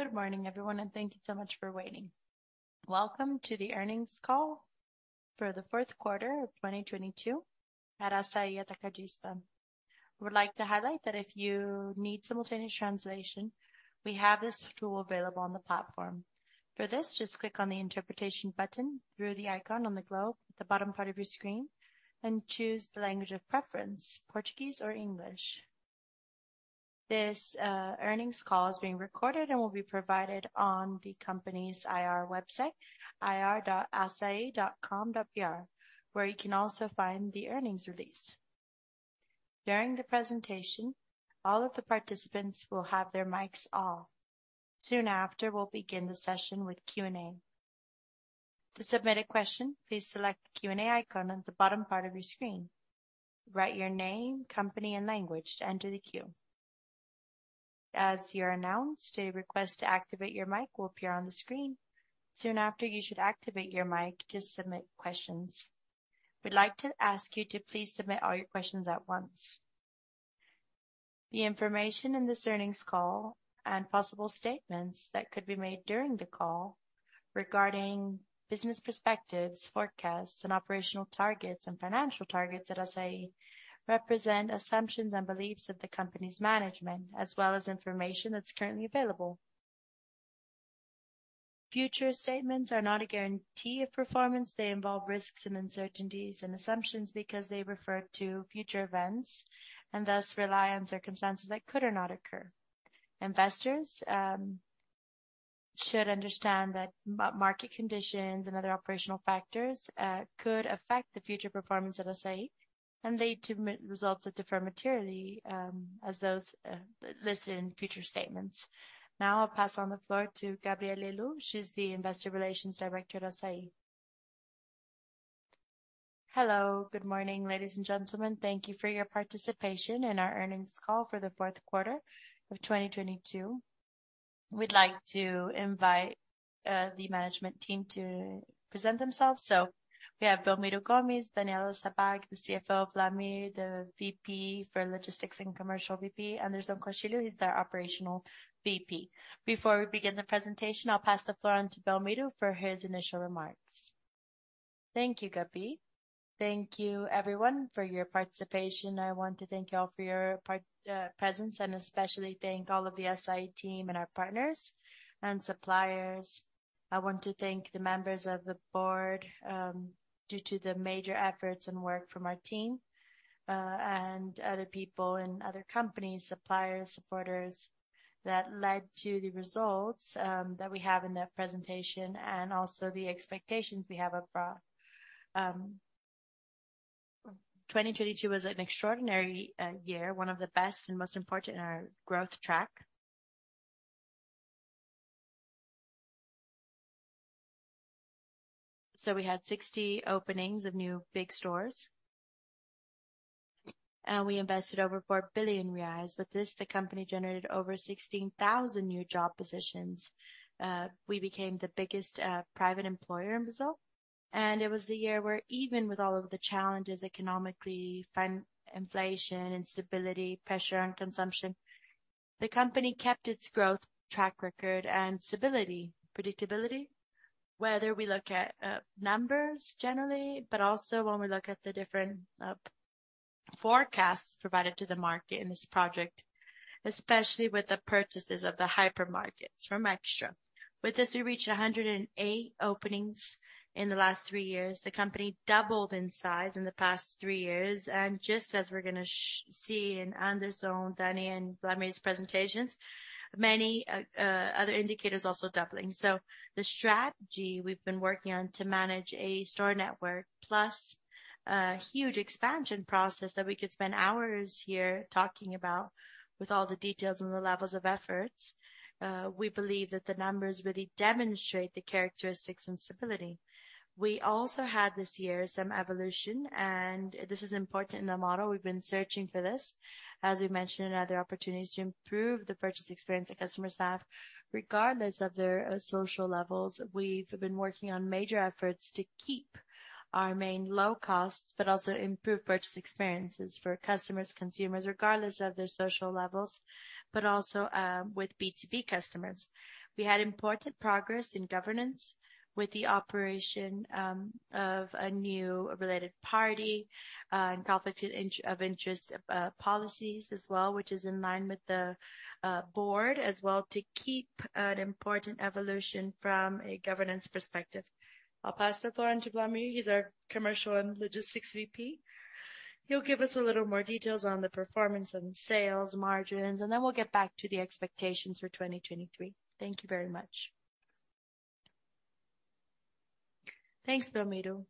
Good morning everyone, thank you so much for waiting. Welcome to the earnings call for the Q4 of 2022 at Assaí Atacadista. I would like to highlight that if you need simultaneous translation, we have this tool available on the platform. Just click on the interpretation button through the icon on the globe at the bottom part of your screen and choose the language of preference, Portuguese or English. This earnings call is being recorded and will be provided on the company's IR website, ri.assai.com.br, where you can also find the earnings release. During the presentation, all of the participants will have their mics off. Soon after, we'll begin the session with Q&A. To submit a question, please select the Q&A icon on the bottom part of your screen. Write your name, company and language to enter the queue. As you're announced, a request to activate your mic will appear on the screen. Soon after, you should activate your mic to submit questions. We'd like to ask you to please submit all your questions at once. The information in this earnings call and possible statements that could be made during the call regarding business perspectives, forecasts, and operational targets and financial targets at Assaí represent assumptions and beliefs of the company's management, as well as information that's currently available. Future statements are not a guarantee of performance. They involve risks and uncertainties and assumptions because they refer to future events and thus rely on circumstances that could or not occur. Investors should understand that market conditions and other operational factors could affect the future performance of Assaí and lead to results that differ materially as those listed in future statements. I'll pass on the floor to Gabrielle Helú. She's the Investor Relations Director at Assaí. Hello, good morning, ladies and gentlemen. Thank you for your participation in our earnings call for the Q4 of 2022. We'd like to invite the management team to present themselves. We have Belmiro Gomes, Daniela Sabbag, the CFO, Wlamir, the VP for Logistics and Commercial VP. Anderson Castilho, he's their Operational VP. Before we begin the presentation, I'll pass the floor on to Belmiro for his initial remarks. Thank you, Gabrielle. Thank you everyone for your participation. I want to thank you all for your presence and especially thank all of the Assaí team and our partners and suppliers. I want to thank the members of the board, due to the major efforts and work from our team, and other people and other companies, suppliers, supporters that led to the results that we have in the presentation and also the expectations we have abroad. 2022 was an extraordinary year, one of the best and most important in our growth track. We had 60 openings of new big stores. We invested over 4 billion reais. With this, the company generated over 16,000 new job positions. We became the biggest private employer in Brazil. It was the year where even with all of the challenges economically, inflation, instability, pressure on consumption, the company kept its growth track record and stability, predictability, whether we look at numbers generally, but also when we look at the different forecasts provided to the market in this project, especially with the purchases of the hypermarkets from Extra. With this, we reached 108 openings in the last three years. The company doubled in size in the past three years, and just as we're going to see in Anderson, Danny and Wlamir's presentations, many other indicators also doubling. The strategy we've been working on to manage a store network plus a huge expansion process that we could spend hours here talking about with all the details and the levels of efforts, we believe that the numbers really demonstrate the characteristics and stability. We also had this year some evolution, and this is important in the model. We've been searching for this, as we mentioned, and other opportunities to improve the purchase experience of customer staff regardless of their social levels. We've been working on major efforts to keep our main low costs, but also improve purchase experiences for customers, consumers, regardless of their social levels, but also, with B2B customers. We had important progress in governance with the operation of a new related party and conflict of interest policies as well, which is in line with the board as well to keep an important evolution from a governance perspective. I'll pass the floor on to Wlamir. He's our Commercial and Logistics VP. He'll give us a little more details on the performance and sales margins, and then we'll get back to the expectations for 2023. Thank you very much. Thanks, Belmiro.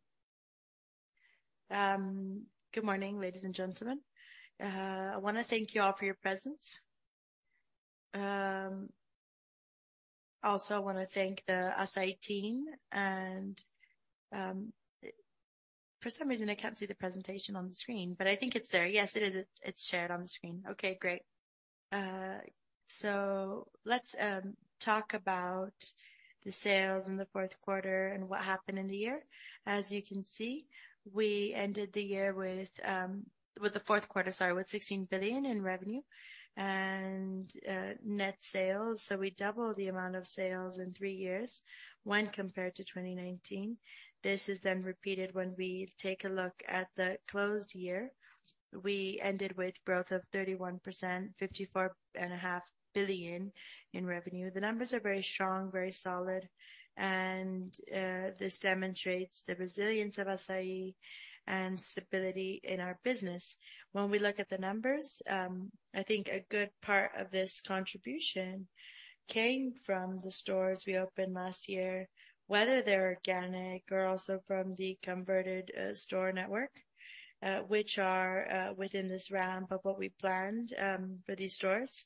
Good morning, ladies and gentlemen. I wanna thank you all for your presence. Also I wanna thank the Assaí team and... For some reason, I can't see the presentation on the screen, but I think it's there. Yes, it is. It's shared on the screen. Okay, great. So let's talk about the sales in the Q4 and what happened in the year. As you can see, we ended the year with the Q4, sorry, with 16 billion in revenue and net sales. We doubled the amount of sales in three years when compared to 2019. This is repeated when we take a look at the closed year. We ended with growth of 31%, 54.5 billion in revenue. The numbers are very strong, very solid, and this demonstrates the resilience of Assaí and stability in our business. When we look at the numbers, I think a good part of this contribution came from the stores we opened last year, whether they're organic or also from the converted store network, which are within this ramp of what we planned for these stores.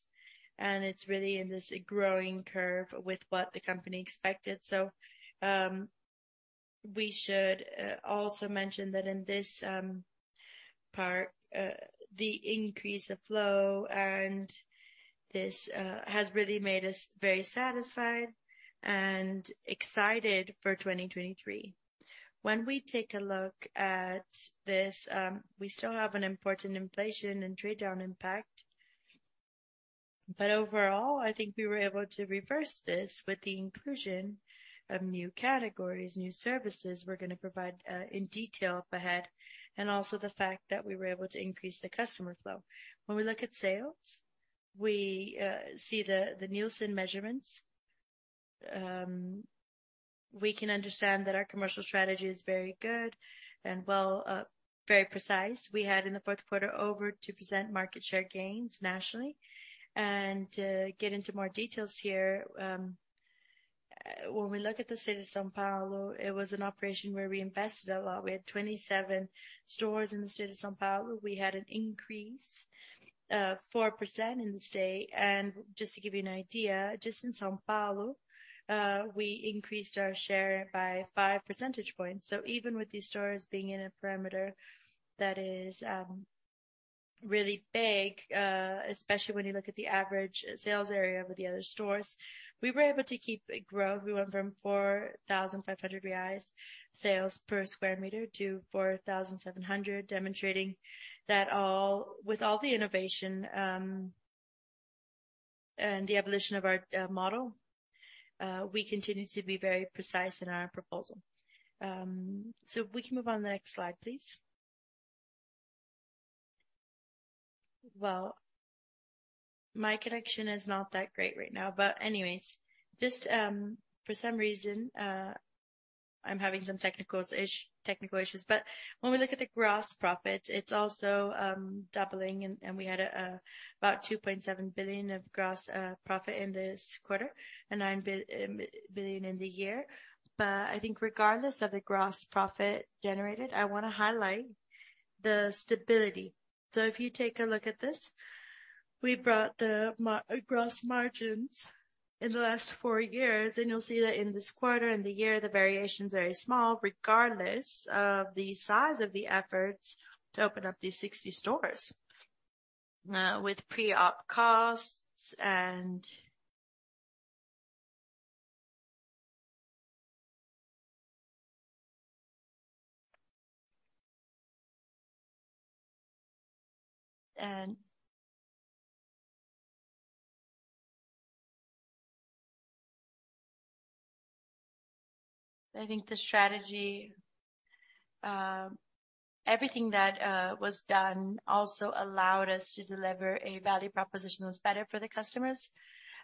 It's really in this growing curve with what the company expected. We should also mention that in this part, the increase of flow and this has really made us very satisfied and excited for 2023. When we take a look at this, we still have an important inflation and trade down impact. Overall, I think we were able to reverse this with the inclusion of new categories, new services we're gonna provide in detail up ahead, and also the fact that we were able to increase the customer flow. When we look at sales, we see the Nielsen measurements. We can understand that our commercial strategy is very good and, well, very precise. We had in the Q4 over 2% market share gains nationally. To get into more details here, when we look at the city of São Paulo, it was an operation where we invested a lot. We had 27 stores in the state of São Paulo. We had an increase, 4% in the state. Just to give you an idea, just in São Paulo, we increased our share by 5 percentage points. Even with these stores being in a parameter that is really big, especially when you look at the average sales area with the other stores, we were able to keep growth. We went from 4,500 reais sales per square meter to 4,700, demonstrating that with all the innovation, and the evolution of our model, we continue to be very precise in our proposal. If we can move on to the next slide, please. Well, my connection is not that great right now, but anyways, just for some reason, I'm having some technical issues. When we look at the gross profit, it's also doubling and we had about 2.7 billion of gross profit in this quarter and 9 billion in the year. I think regardless of the gross profit generated, I wanna highlight the stability. If you take a look at this, we brought the gross margins in the last four years, and you'll see that in this quarter and the year, the variation is very small, regardless of the size of the efforts to open up these 60 stores, with pre-op costs. I think the strategy, everything that was done also allowed us to deliver a value proposition that was better for the customers,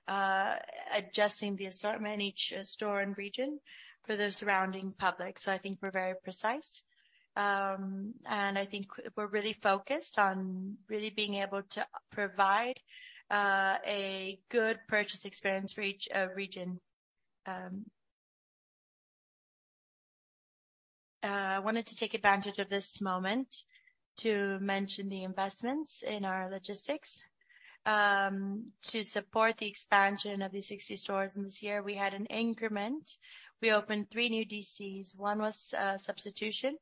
adjusting the assortment in each store and region for the surrounding public. I think we're very precise, and I think we're really focused on really being able to provide a good purchase experience for each region. I wanted to take advantage of this moment to mention the investments in our logistics. To support the expansion of the 60 stores in this year, we had an increment. We opened three new DCs. One was a substitution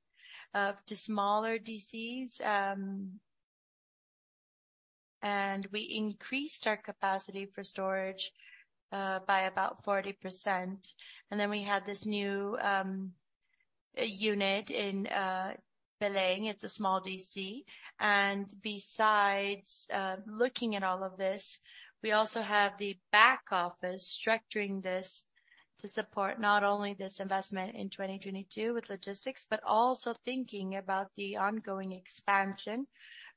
to smaller DCs, and we increased our capacity for storage by about 40%. We had this new unit in Belém. It's a small DC. Besides looking at all of this, we also have the back office structuring this to support not only this investment in 2022 with logistics, but also thinking about the ongoing expansion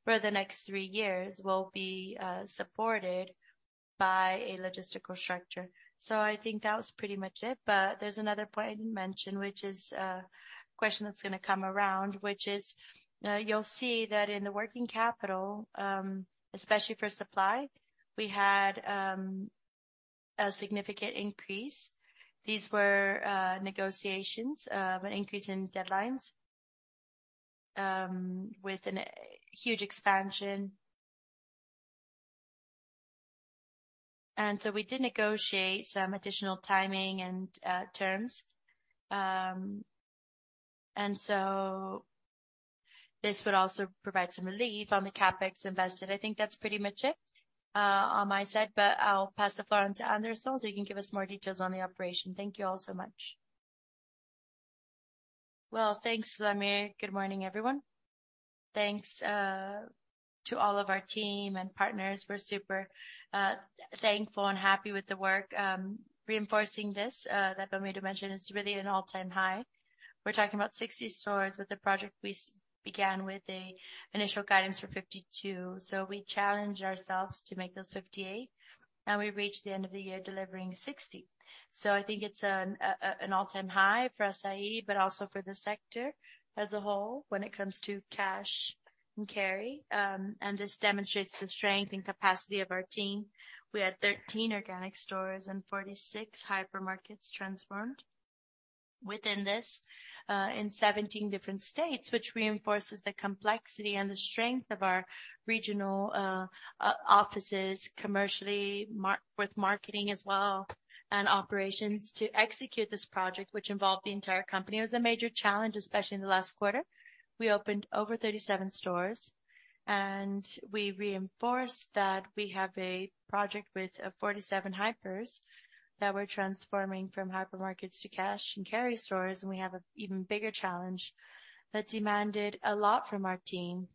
for the next tree years will be supported by a logistical structure. I think that was pretty much it. There's another point I didn't mention, which is a question that's gonna come around, which is, you'll see that in the working capital, especially for supply, we had a significant increase. These were negotiations of an increase in deadlines with a huge expansion. We did negotiate some additional timing and terms. This would also provide some relief on the CapEx invested. I think that's pretty much it on my side, but I'll pass the floor on to Anderson, so he can give us more details on the operation. Thank you all so much. Well, thanks, Wlamir. Good morning, everyone. Thanks to all of our team and partners. We're super thankful and happy with the work. Reinforcing this that Wlamir mentioned, it's really an all-time high. We're talking about 60 stores with the project we began with a initial guidance for 52. We challenged ourselves to make those 58, and we reached the end of the year delivering 60. I think it's an all-time high for Assaí, but also for the sector as a whole when it comes to cash and carry. This demonstrates the strength and capacity of our team. We had 13 organic stores and 46 hyper markets transformed within this in 17 different states, which reinforces the complexity and the strength of our regional offices commercially with marketing as well, and operations to execute this project, which involved the entire company. It was a major challenge, especially in the last quarter. We opened over 37 stores, and we reinforced that we have a project with 47 hypers that we're transforming from hyper markets to cash and carry stores. We have an even bigger challenge that demanded a lot from our team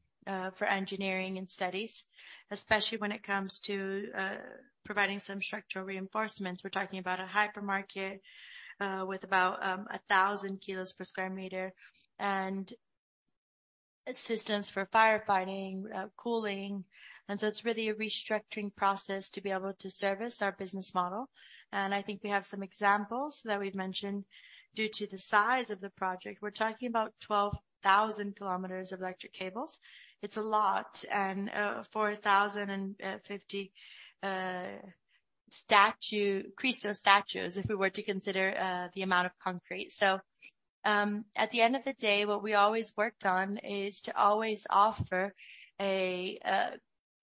for engineering and studies, especially when it comes to providing some structural reinforcements. We're talking about a hypermarket with about 1,000 kilos per square meter and systems for firefighting, cooling. It's really a restructuring process to be able to service our business model. I think we have some examples that we've mentioned due to the size of the project. We're talking about 12,000 km of electric cables. It's a lot. 4,050 Cristo statues, if we were to consider the amount of concrete. At the end of the day, what we always worked on is to always offer a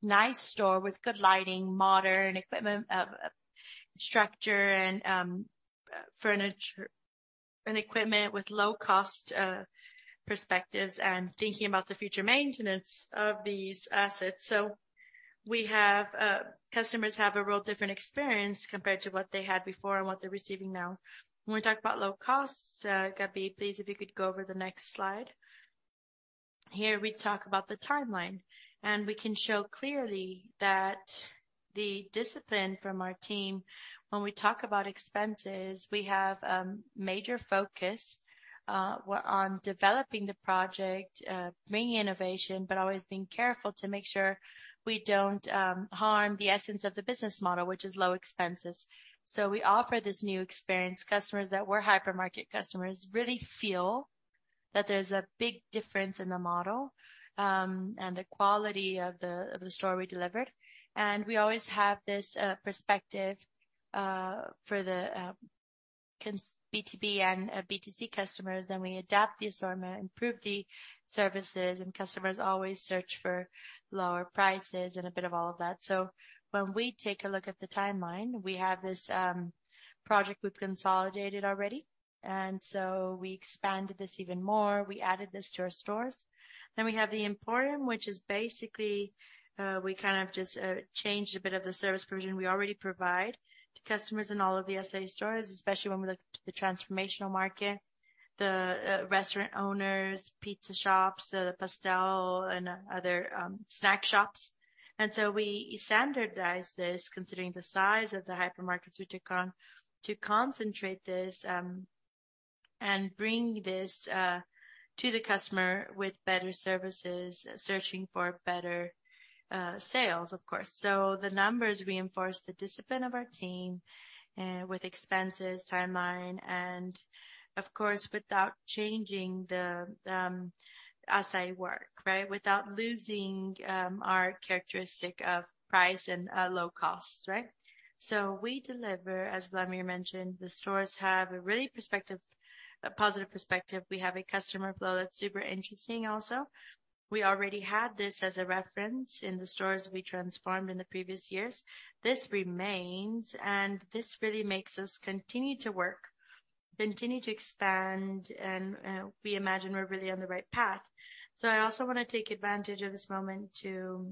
nice store with good lighting, modern equipment, structure and furniture and equipment with low cost perspectives and thinking about the future maintenance of these assets. We have customers have a real different experience compared to what they had before and what they're receiving now. When we talk about low costs, Gabrielle, please if you could go over the next slide. Here we talk about the timeline, and we can show clearly that the discipline from our team when we talk about expenses, we have major focus on developing the project, bringing innovation, but always being careful to make sure we don't harm the essence of the business model, which is low expenses. We offer this new experience. Customers that were hypermarket customers really feel that there's a big difference in the model, and the quality of the store we delivered. We always have this perspective for the B2B and B2C customers, we adapt the assortment, improve the services, customers always search for lower prices and a bit of all of that. When we take a look at the timeline, we have this project we've consolidated already, we expanded this even more. We added this to our stores. We have the Emporium, which is basically, we kind of just changed a bit of the service provision we already provide to customers in all of the Assaí stores, especially when we look to the transformational market, the restaurant owners, pizza shops, the pastel and other snack shops. We standardized this, considering the size of the hypermarkets, we took on to concentrate this and bring this to the customer with better services, searching for better sales, of course. The numbers reinforce the discipline of our team with expenses, timeline, and of course, without changing the Assaí work, right? Without losing our characteristic of price and low costs, right? We deliver, as Wlamir mentioned, the stores have a really positive perspective. We have a customer flow that's super interesting also. We already had this as a reference in the stores we transformed in the previous years. This remains, and this really makes us continue to work, continue to expand, and we imagine we're really on the right path. I also wanna take advantage of this moment to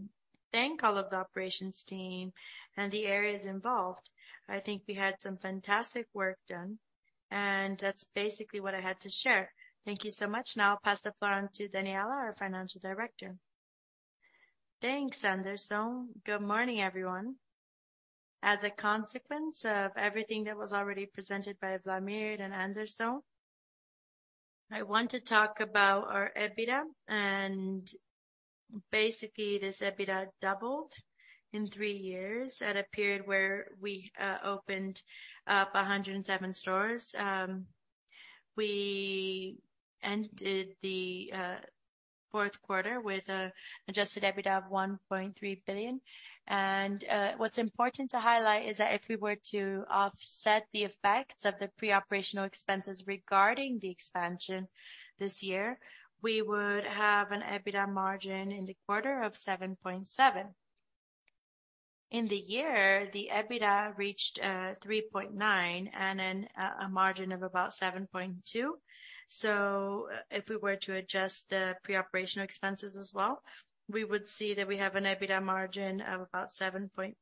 thank all of the operations team and the areas involved. I think we had some fantastic work done, and that's basically what I had to share. Thank you so much. Now I'll pass the floor on to Daniela, our Financial Director. Thanks, Anderson. Good morning, everyone. As a consequence of everything that was already presented by Wlamir and Anderson, I want to talk about our EBITDA, and basically, this EBITDA doubled in three years at a period where we opened up 107 stores. We ended the Q4 with adjusted EBITDA of 1.3 billion. What's important to highlight is that if we were to offset the effects of the pre-operational expenses regarding the expansion this year, we would have an EBITDA margin in the quarter of 7.7%. In the year, the EBITDA reached 3.9%, a margin of about 7.2%. If we were to adjust the pre-operational expenses as well, we would see that we have an EBITDA margin of about 7.4%,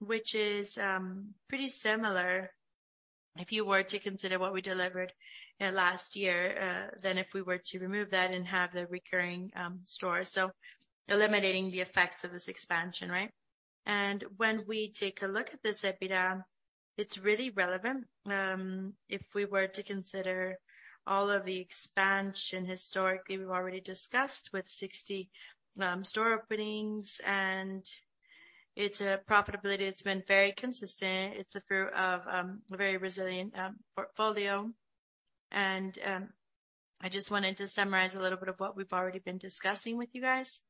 which is pretty similar if you were to consider what we delivered last year than if we were to remove that and have the recurring stores. Eliminating the effects of this expansion, right? When we take a look at this EBITDA, it's really relevant. If we were to consider all of the expansion historically, we've already discussed with 60 store openings, and its profitability has been very consistent. It's the fruit of a very resilient portfolio. I just wanted to summarize a little bit of what we've already been discussing with you guys.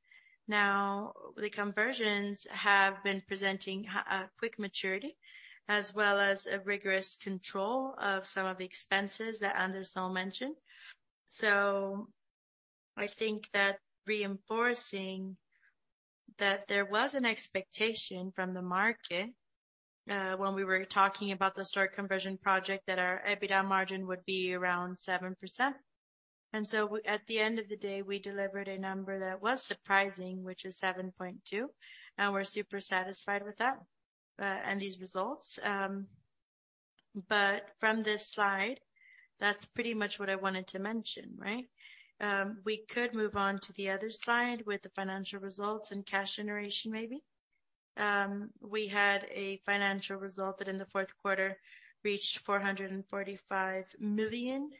The conversions have been presenting a quick maturity as well as a rigorous control of some of the expenses that Anderson mentioned. I think that reinforcing that there was an expectation from the market when we were talking about the store conversion project, that our EBITDA margin would be around 7%. At the end of the day, we delivered a number that was surprising, which is 7.2%, and we're super satisfied with that and these results. From this slide, that's pretty much what I wanted to mention, right? We could move on to the other slide with the financial results and cash generation, maybe. We had a financial result that in the Q4 reached 445 million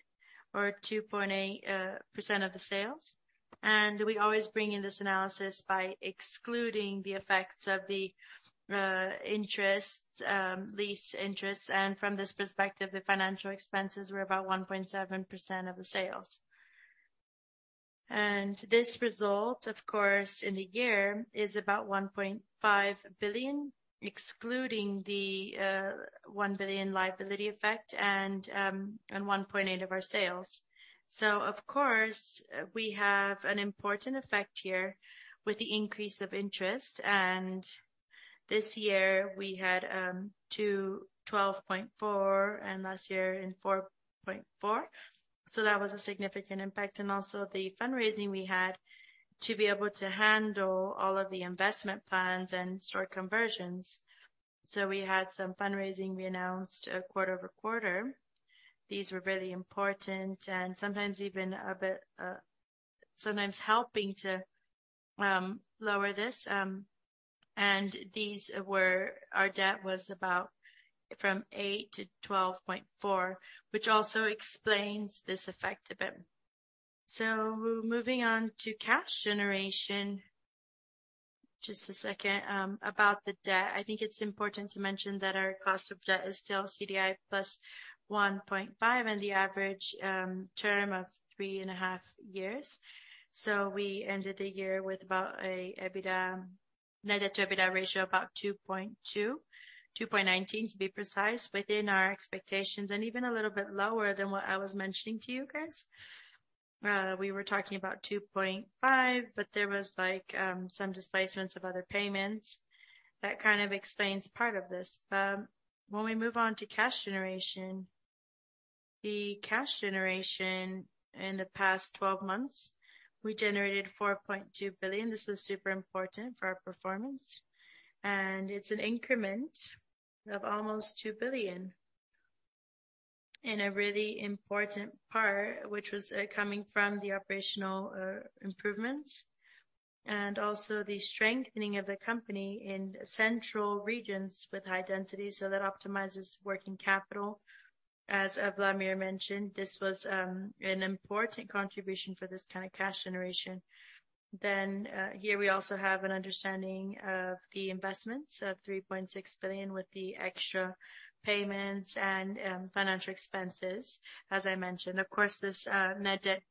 or 2.8% of the sales. We always bring in this analysis by excluding the effects of the interest, lease interests. From this perspective, the financial expenses were about 1.7% of the sales. This result, of course, in the year, is about 1.5 billion, excluding the 1 billion liability effect and 1.8% of our sales. Of course, we have an important effect here with the increase of interest. This year we had 212.4 and last year in 4.4. That was a significant impact. Also the fundraising we had to be able to handle all of the investment plans and store conversions. We had some fundraising we announced quarter-over-quarter. These were really important and sometimes even a bit, sometimes helping to lower this. Our debt was about from eight to 12.4, which also explains this effect a bit. Moving on to cash generation. Just a second. About the debt, I think it's important to mention that our cost of debt is still CDI +1.5, and the average term of three and a half years. We ended the year with about a EBITDA, Net Debt to EBITDA ratio, about 2.2%. 2.19% to be precise, within our expectations and even a little bit lower than what I was mentioning to you guys. We were talking about 2.5%, but there was like some displacements of other payments. That kind of explains part of this. When we move on to cash generation, the cash generation in the past 12 months, we generated 4.2 billion. This is super important for our performance, and it's an increment of almost 2 billion in a really important part, which was coming from the operational improvements and also the strengthening of the company in central regions with high density. That optimizes working capital. As Wlamir mentioned, this was an important contribution for this kind of cash generation. Here we also have an understanding of the investments of 3.6 billion with the extra payments and financial expenses, as I mentioned. Of course, this net debt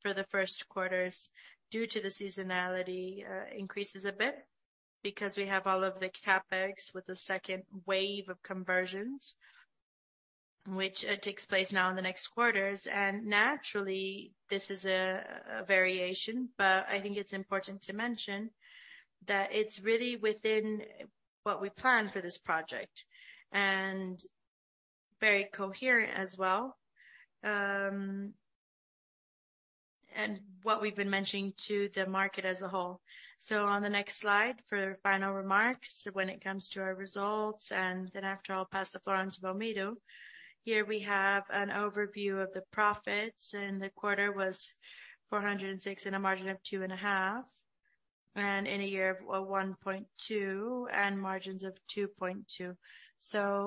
for the first quarters, due to the seasonality, increases a bit because we have all of the CapEx with the second wave of conversions, which takes place now in the next quarters. Naturally, this is a variation, but I think it's important to mention that it's really within what we planned for this project and very coherent as well, and what we've been mentioning to the market as a whole. On the next slide, for final remarks when it comes to our results, and then after I'll pass the floor on to Belmiro. Here we have an overview of the profits. The quarter was 406 in a margin of 2.5% and in a year of 1.2 and margins of 2.2%.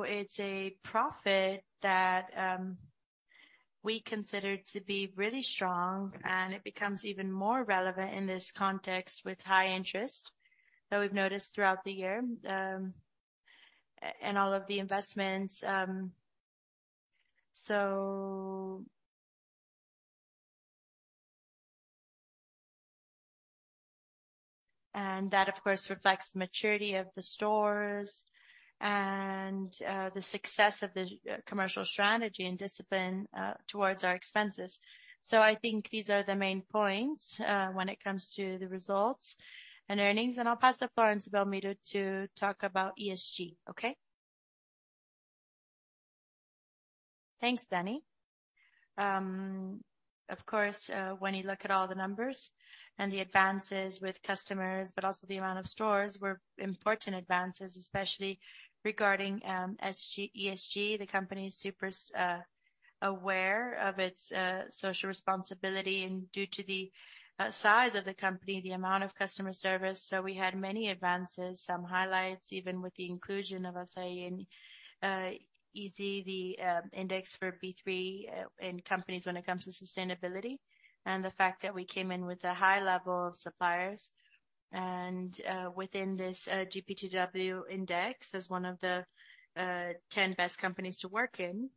It's a profit that we consider to be really strong, and it becomes even more relevant in this context with high interest that we've noticed throughout the year and all of the investments. That, of course, reflects the maturity of the stores and the success of the commercial strategy and discipline towards our expenses. I think these are the main points when it comes to the results and earnings. I'll pass the floor on to Belmiro to talk about ESG. Okay. Thanks, Daniela. Of course, when you look at all the numbers and the advances with customers, but also the amount of stores were important advances, especially regarding ESG. The company is super aware of its social responsibility and due to the size of the company, the amount of customer service. We had many advances, some highlights, even with the inclusion of Assaí in ISE, the index for B3, in companies when it comes to sustainability, and the fact that we came in with a high level of suppliers and within this GPTW index as one of the 10 best companies to work in.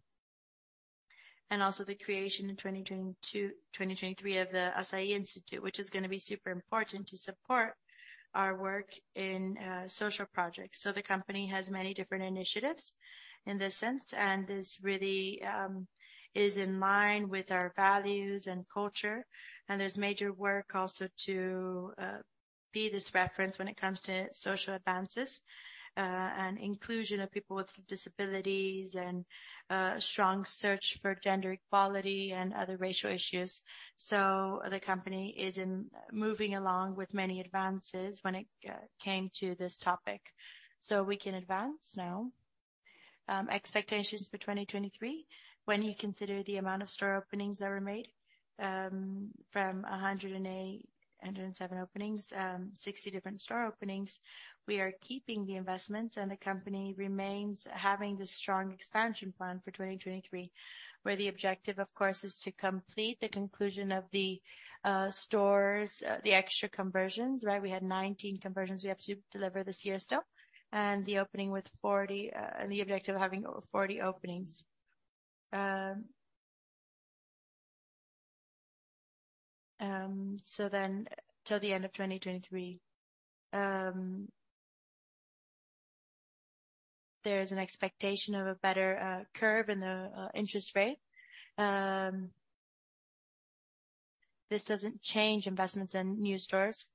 Also the creation in 2022-2023 of the Assaí Institute, which is gonna be super important to support our work in social projects. The company has many different initiatives in this sense, and this really is in line with our values and culture. There's major work also to be this reference when it comes to social advances, and inclusion of people with disabilities and strong search for gender equality and other racial issues. The company is moving along with many advances when it came to this topic. We can advance now. Expectations for 2023. When you consider the amount of store openings that were made, from 107 openings, 60 different store openings, we are keeping the investments, and the company remains having this strong expansion plan for 2023, where the objective, of course, is to complete the conclusion of the stores, the Extra Hiper conversions, right? We had 19 conversions we have to deliver this year still. The opening with 40, the objective of having 40 openings. Till the end of 2023, there is an expectation of a better curve in the interest rate. This doesn't change investments in new stores.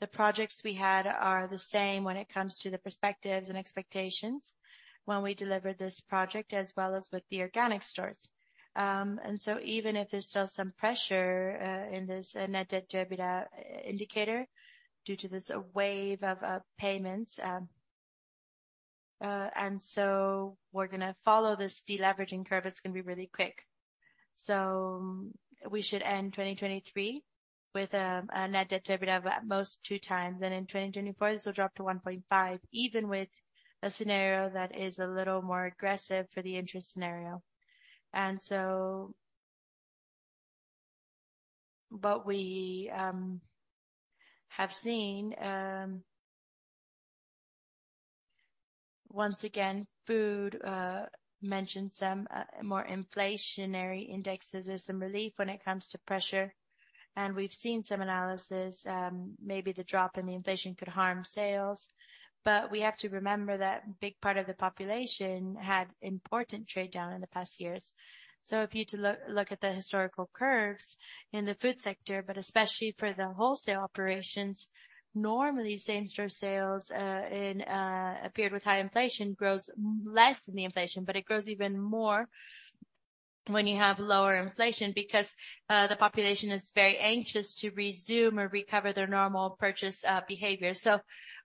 The projects we had are the same when it comes to the perspectives and expectations when we deliver this project, as well as with the organic stores. Even if there's still some pressure in this Net Debt to EBITDA indicator due to this wave of payments, we're gonna follow this deleveraging curve. It's gonna be really quick. We should end 2023 with a Net Debt to EBITDA of at most 2x. In 2024, this will drop to 1.5x, even with a scenario that is a little more aggressive for the interest scenario. We have seen once again, food mentioned some more inflationary indexes. There's some relief when it comes to pressure, and we've seen some analysis, maybe the drop in the inflation could harm sales. We have to remember that big part of the population had important trade down in the past years. If you look at the historical curves in the food sector, but especially for the wholesale operations, normally same-store sales in a period with high inflation grows less than the inflation, but it grows even more when you have lower inflation because the population is very anxious to resume or recover their normal purchase behavior.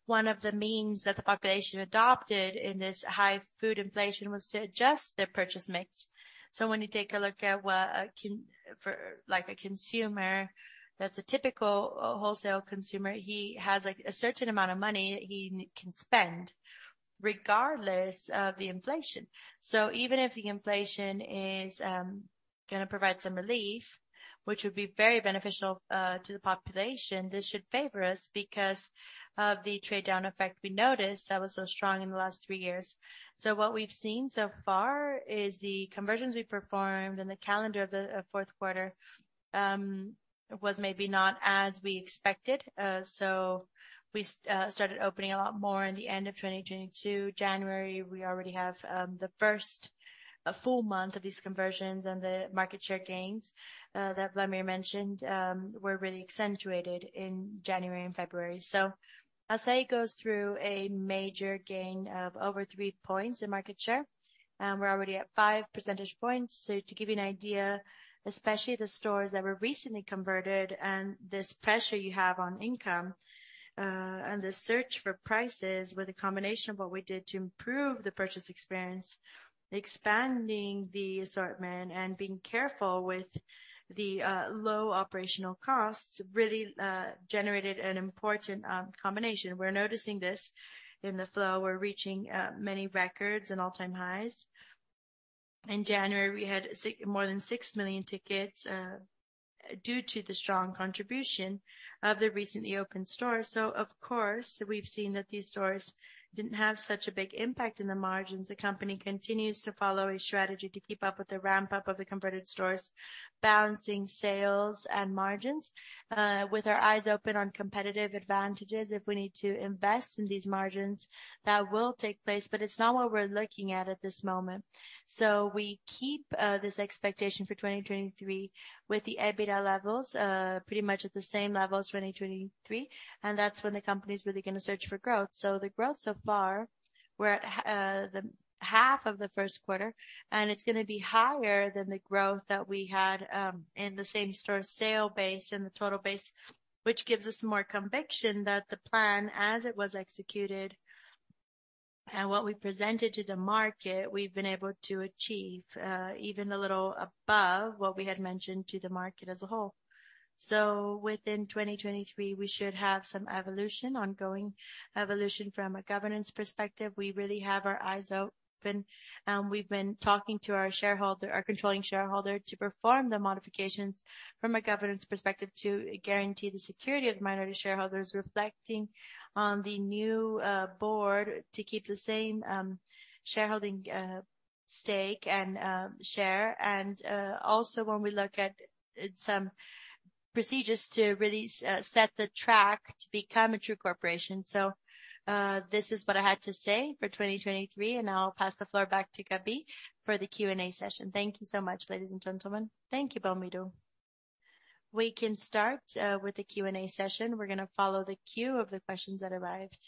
One of the means that the population adopted in this high food inflation was to adjust their purchase mix. When you take a look at what for like a consumer that's a typical wholesale consumer, he has like a certain amount of money he can spend regardless of the inflation. Even if the inflation is gonna provide some relief, which would be very beneficial to the population, this should favor us because of the trade down effect we noticed that was so strong in the last three years. What we've seen so far is the conversions we performed and the calendar of the Q4 was maybe not as we expected. We started opening a lot more in the end of 2022. January, we already have the first full month of these conversions and the market share gains that Belmiro Gomes mentioned were really accentuated in January and February. Assaí goes through a major gain of over three points in market share, and we're already at 5 percentage points. To give you an idea, especially the stores that were recently converted and this pressure you have on income and the search for prices with a combination of what we did to improve the purchase experience, expanding the assortment and being careful with the low operational costs, really generated an important combination. We're noticing this in the flow. We're reaching many records and all-time highs. In January, we had more than 6 million tickets due to the strong contribution of the recently opened stores. Of course, we've seen that these stores didn't have such a big impact in the margins. The company continues to follow a strategy to keep up with the ramp-up of the converted stores, balancing sales and margins, with our eyes open on competitive advantages. If we need to invest in these margins, that will take place, but it's not what we're looking at at this moment. We keep this expectation for 2023 with the EBITDA levels pretty much at the same level as 2023, and that's when the company's really gonna search for growth. The growth so far, we're at the 1/2 of the Q1, and it's gonna be higher than the growth that we had in the same-store sale base and the total base, which gives us more conviction that the plan as it was executed and what we presented to the market, we've been able to achieve even a little above what we had mentioned to the market as a whole. Within 2023, we should have some evolution, ongoing evolution from a governance perspective. We really have our eyes open, and we've been talking to our shareholder, our controlling shareholder, to perform the modifications from a governance perspective to guarantee the security of the minority shareholders reflecting on the new board to keep the same shareholding stake and share. Also when we look at some procedures to really set the track to become a true corporation. This is what I had to say for 2023, and I'll pass the floor back to Gabrielle for the Q&A session. Thank you so much, ladies and gentlemen. Thank you, Belmiro. We can start with the Q&A session. We're gonna follow the queue of the questions that arrived.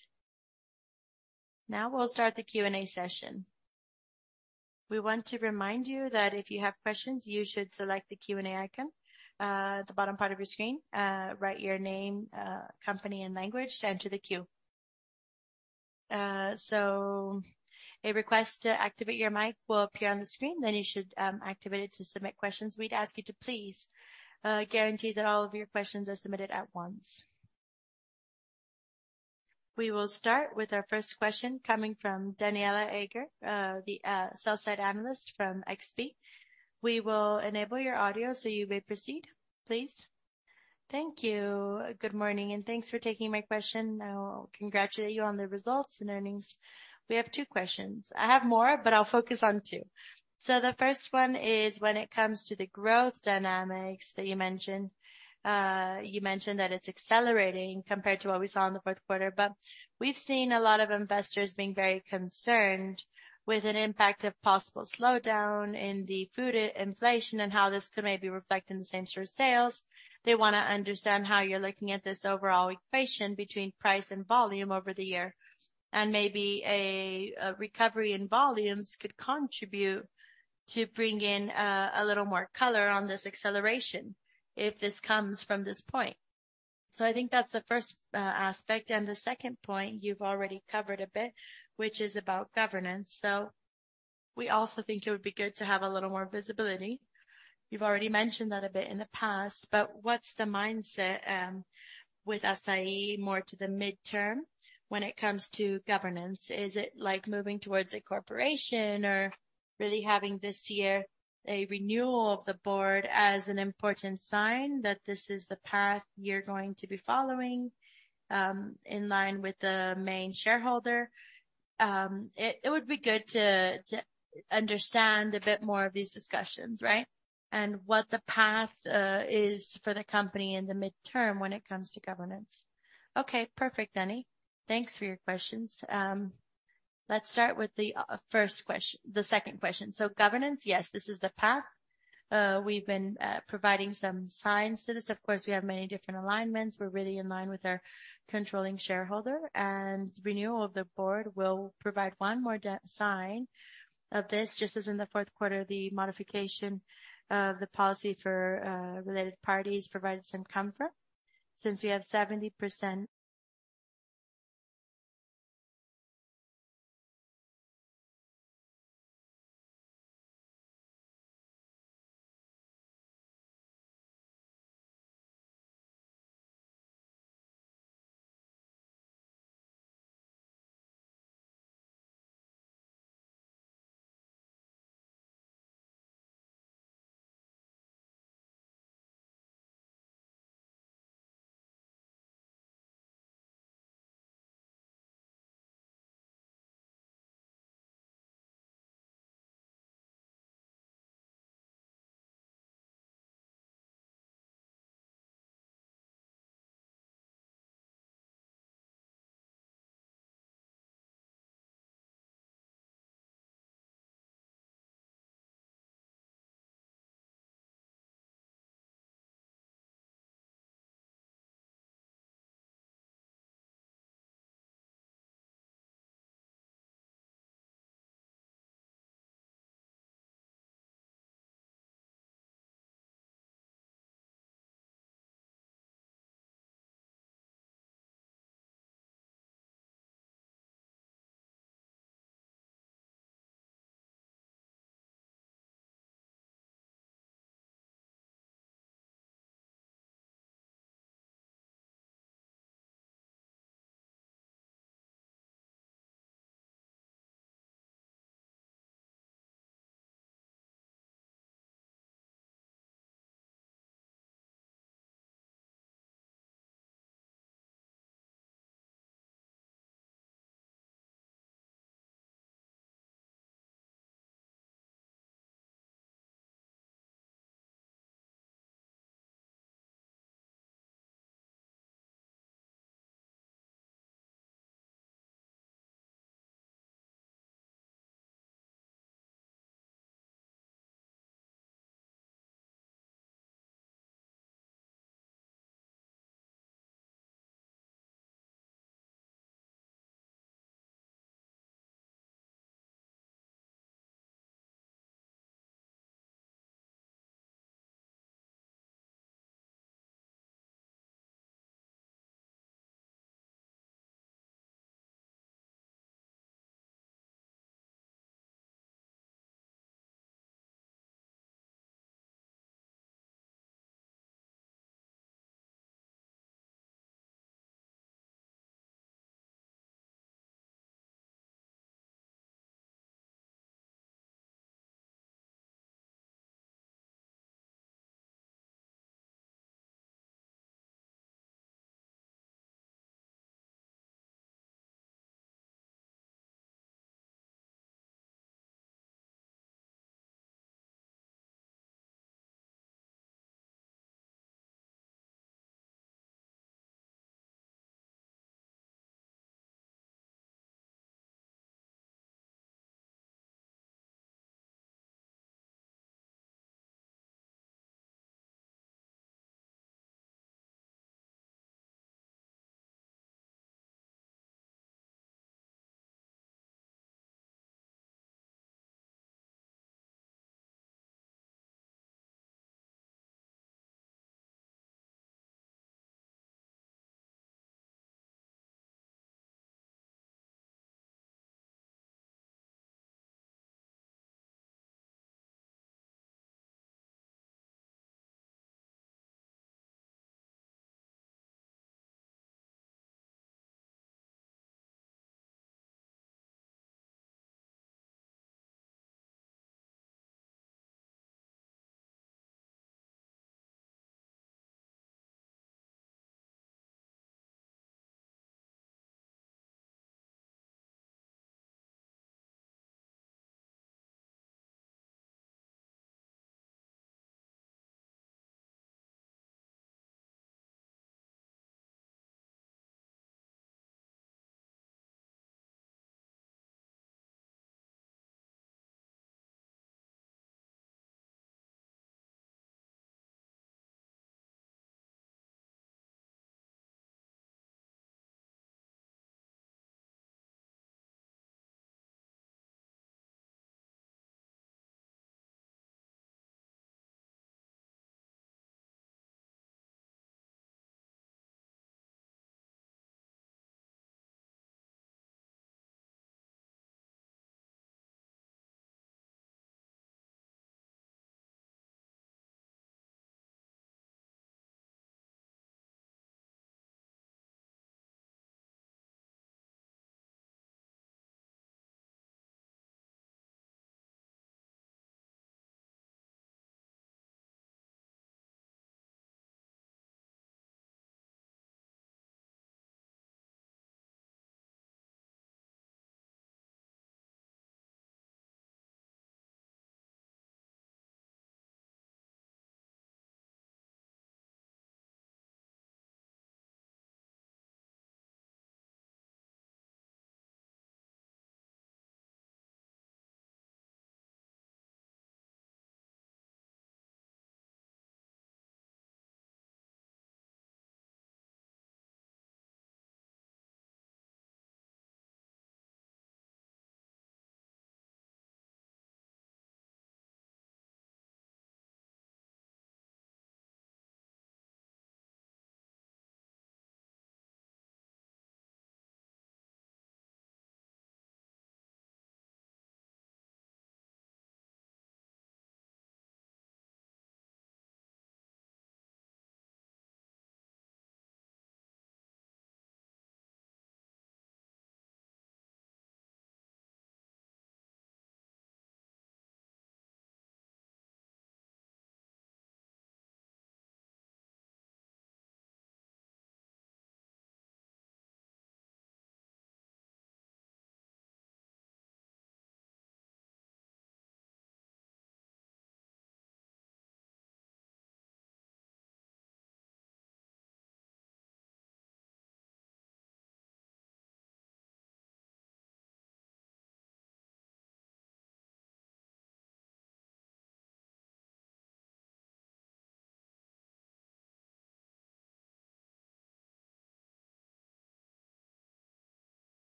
Now we'll start the Q&A session. We want to remind you that if you have questions, you should select the Q&A icon at the bottom part of your screen. Write your name, company, and language to enter the queue. A request to activate your mic will appear on the screen, then you should activate it to submit questions. We'd ask you to please guarantee that all of your questions are submitted at once. We will start with our first question coming from Danniela Eiger, the sell-side analyst from XP. We will enable your audio so you may proceed, please. Thank you. Good morning. Thanks for taking my question. I'll congratulate you on the results and earnings. We have two questions. I have more, but I'll focus on two. The first one is when it comes to the growth dynamics that you mentioned, you mentioned that it's accelerating compared to what we saw in the Q4. We've seen a lot of investors being very concerned with an impact of possible slowdown in the food inflation and how this could maybe reflect in the same-store sales. They wanna understand how you're looking at this overall equation between price and volume over the year. Maybe a recovery in volumes could contribute to bring in a little more color on this acceleration if this comes from this point. I think that's the first aspect. The second point you've already covered a bit, which is about governance. We also think it would be good to have a little more visibility. You've already mentioned that a bit in the past, but what's the mindset with Assaí more to the midterm when it comes to governance? Is it like moving towards a corporation or really having this year a renewal of the board as an important sign that this is the path you're going to be following in line with the main shareholder? It would be good to understand a bit more of these discussions, right? What the path is for the company in the midterm when it comes to governance. Perfect, Danniela. Thanks for your questions. Let's start with the second question. Governance, yes, this is the path. We've been providing some signs to this. Of course, we have many different alignments. We're really in line with our controlling shareholder. Renewal of the board will provide one more sign of this, just as in the Q4, the modification of the policy for related parties provides some comfort since we have 70%.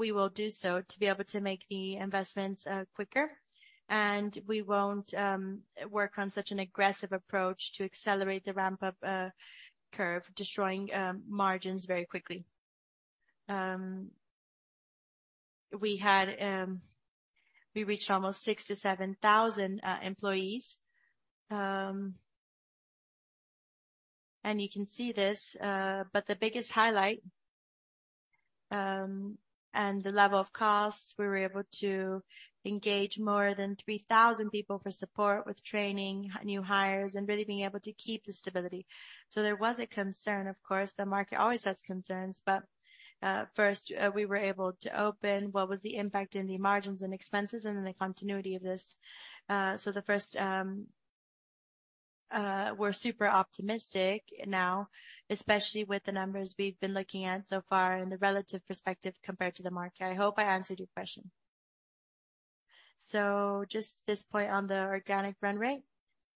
We will do so to be able to make the investments quicker. We won't work on such an aggressive approach to accelerate the ramp up curve, destroying margins very quickly. We had, we reached almost 6,000 employees-7,000 employees. You can see this, but the biggest highlight, and the level of costs, we were able to engage more than 3,000 people for support with training, new hires, and really being able to keep the stability. There was a concern, of course, the market always has concerns, but first, we were able to open what was the impact in the margins and expenses and then the continuity of this. The first, we're super optimistic now, especially with the numbers we've been looking at so far in the relative perspective compared to the market. I hope I answered your question. Just this point on the organic run rate,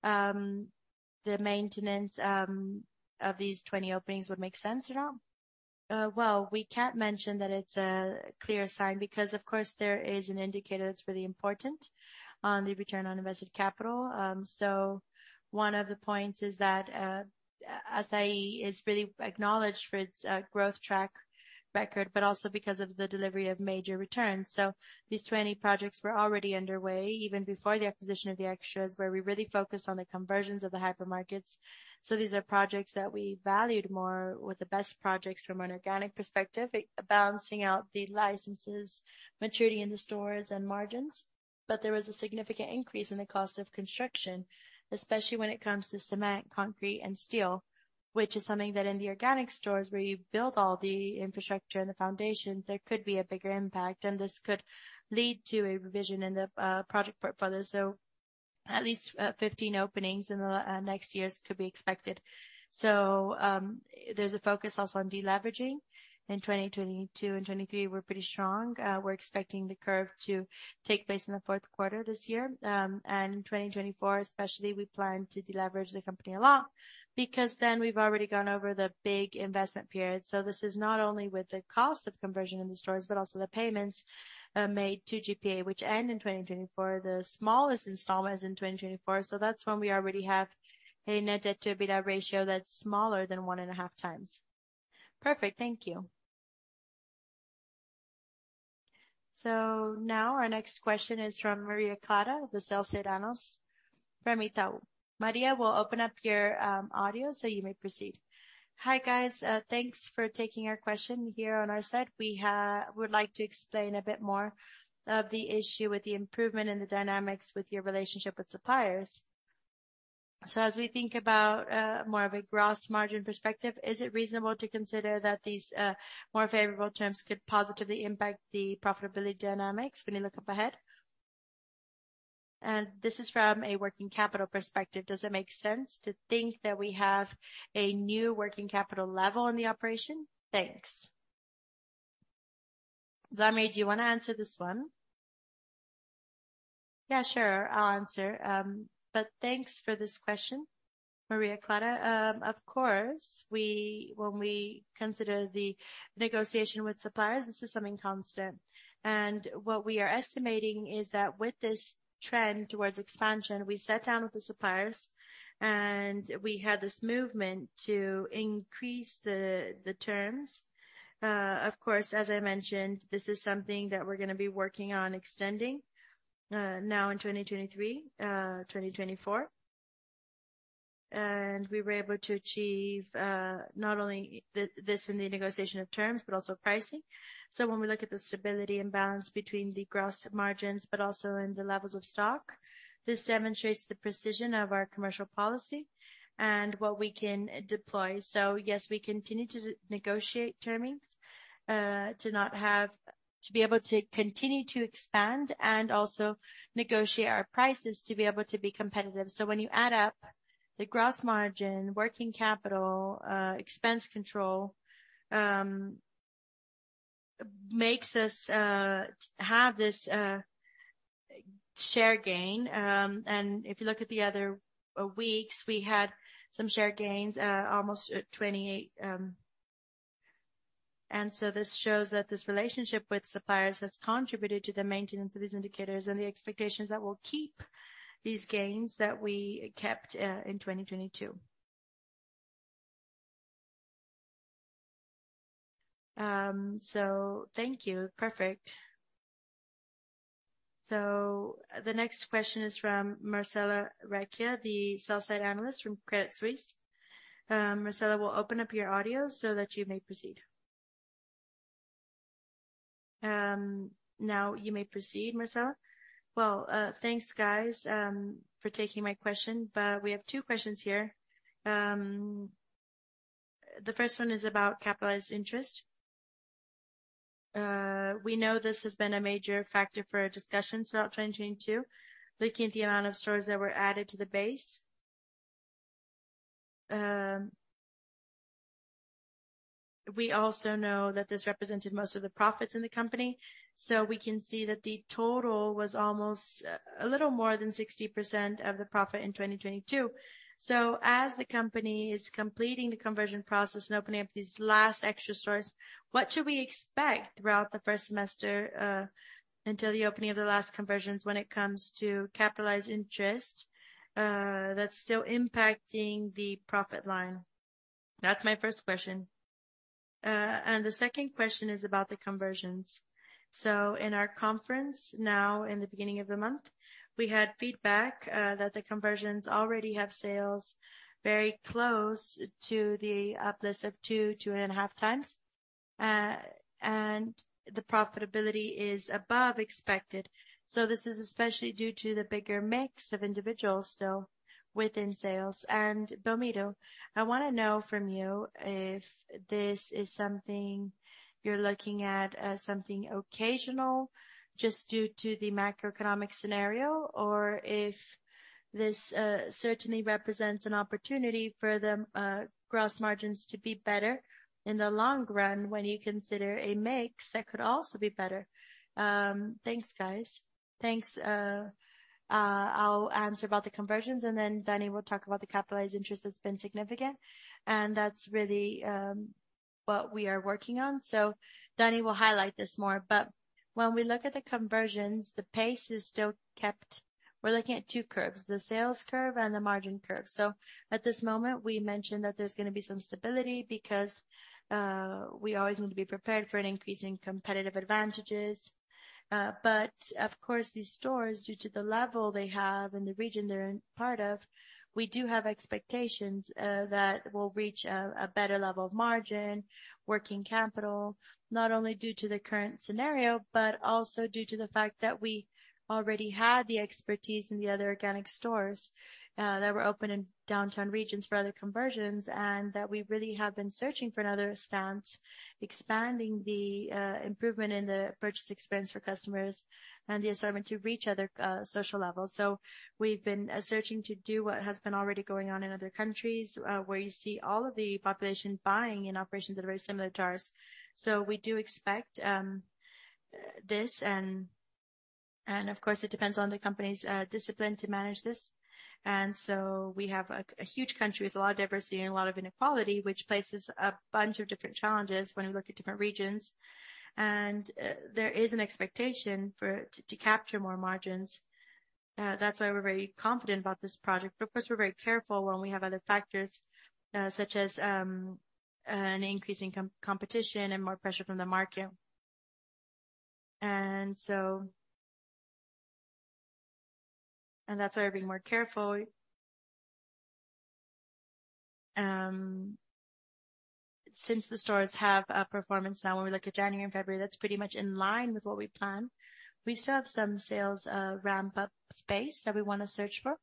the maintenance of these 20 openings would make sense at all? Well, we can't mention that it's a clear sign because of course there is an indicator that's really important on the return on invested capital. One of the points is that Assaí is really acknowledged for its growth track record, but also because of the delivery of major returns. These 20 projects were already underway even before the acquisition of the extras, where we really focused on the conversions of the hypermarkets. These are projects that we valued more with the best projects from an organic perspective, balancing out the licenses, maturity in the stores and margins. There was a significant increase in the cost of construction, especially when it comes to cement, concrete and steel, which is something that in the organic stores, where you build all the infrastructure and the foundations, there could be a bigger impact and this could lead to a revision in the project portfolio. At least 15 openings in the next years could be expected. There's a focus also on deleveraging. In 2022 and 2023 we're pretty strong. We're expecting the curve to take place in the Q4 this year. In 2024 especially, we plan to deleverage the company a lot because then we've already gone over the big investment period. This is not only with the cost of conversion in the stores, but also the payments made to GPA, which end in 2024, the smallest installment is in 2024. That's when we already have a Net Debt to EBITDA ratio that's smaller than 1.5x. Perfect. Thank you. Now our next question is from Maria Clara, the sell-side analyst from Itaú. Maria, we'll open up your audio so you may proceed. Hi, guys. Thanks for taking our question here on our side. We'd like to explain a bit more of the issue with the improvement in the dynamics with your relationship with suppliers. As we think about more of a gross margin perspective, is it reasonable to consider that these more favorable terms could positively impact the profitability dynamics when you look up ahead? This is from a working capital perspective, does it make sense to think that we have a new working capital level in the operation? Thanks. Wlamir, do you wanna answer this one? Yeah, sure. I'll answer. But thanks for this question, Maria Clara. Of course, when we consider the negotiation with suppliers, this is something constant. What we are estimating is that with this trend towards expansion, we sat down with the suppliers and we had this movement to increase the terms. Of course, as I mentioned, this is something that we're gonna be working on extending, now in 2023, 2024. We were able to achieve not only this in the negotiation of terms, but also pricing. When we look at the stability and balance between the gross margins, but also in the levels of stock, this demonstrates the precision of our commercial policy and what we can deploy. Yes, we continue to negotiate termings, to be able to continue to expand and also negotiate our prices to be able to be competitive. When you add up the gross margin, working capital, expense control, makes us have this share gain. If you look at the other weeks, we had some share gains, almost 28. This shows that this relationship with suppliers has contributed to the maintenance of these indicators and the expectations that we'll keep these gains that we kept in 2022. Thank you. Perfect. The next question is from Marcella Recchia, the sell-side analyst from Credit Suisse. Marcella, we'll open up your audio so that you may proceed. Now you may proceed, Marcella. Thanks, guys, for taking my question. We have two questions here. The first one is about capitalized interest. We know this has been a major factor for our discussions throughout 2022, looking at the amount of stores that were added to the base. We also know that this represented most of the profits in the company. We can see that the total was almost a little more than 60% of the profit in 2022. As the company is completing the conversion process and opening up these last Extra stores, what should we expect throughout the first semester until the opening of the last conversions when it comes to capitalized interest that's still impacting the profit line? That's my first question. The second question is about the conversions. In our conference now in the beginning of the month, we had feedback that the conversions already have sales very close to the uplift of 2.5x. The profitability is above expected. This is especially due to the bigger mix of individuals still within sales. Belmiro, I wanna know from you if this is something you're looking at as something occasional just due to the macroeconomic scenario, or if this certainly represents an opportunity for the gross margins to be better in the long run when you consider a mix, that could also be better. Thanks, guys. Thanks, I'll answer about the conversions, then Daniela will talk about the capitalized interest that's been significant. That's really what we are working on. Daniela will highlight this more. When we look at the conversions, the pace is still kept. We're looking at two curves, the sales curve and the margin curve. At this moment, we mentioned that there's gonna be some stability because we always need to be prepared for an increase in competitive advantages. Of course, these stores, due to the level they have and the region they're in part of, we do have expectations that we'll reach a better level of margin, working capital, not only due to the current scenario, but also due to the fact that we already had the expertise in the other organic stores that were open in downtown regions for other conversions, and that we really have been searching for another stance, expanding the improvement in the purchase experience for customers and the assignment to reach other social levels. We've been searching to do what has been already going on in other countries, where you see all of the population buying in operations that are very similar to ours. We do expect this and of course, it depends on the company's discipline to manage this. We have a huge country with a lot of diversity and a lot of inequality, which places a bunch of different challenges when we look at different regions. There is an expectation to capture more margins. That's why we're very confident about this project. Of course, we're very careful when we have other factors, such as an increase in competition and more pressure from the market. That's why we're being more careful. Since the stores have a performance now, when we look at January and February, that's pretty much in line with what we planned. We still have some sales ramp-up space that we wanna search for,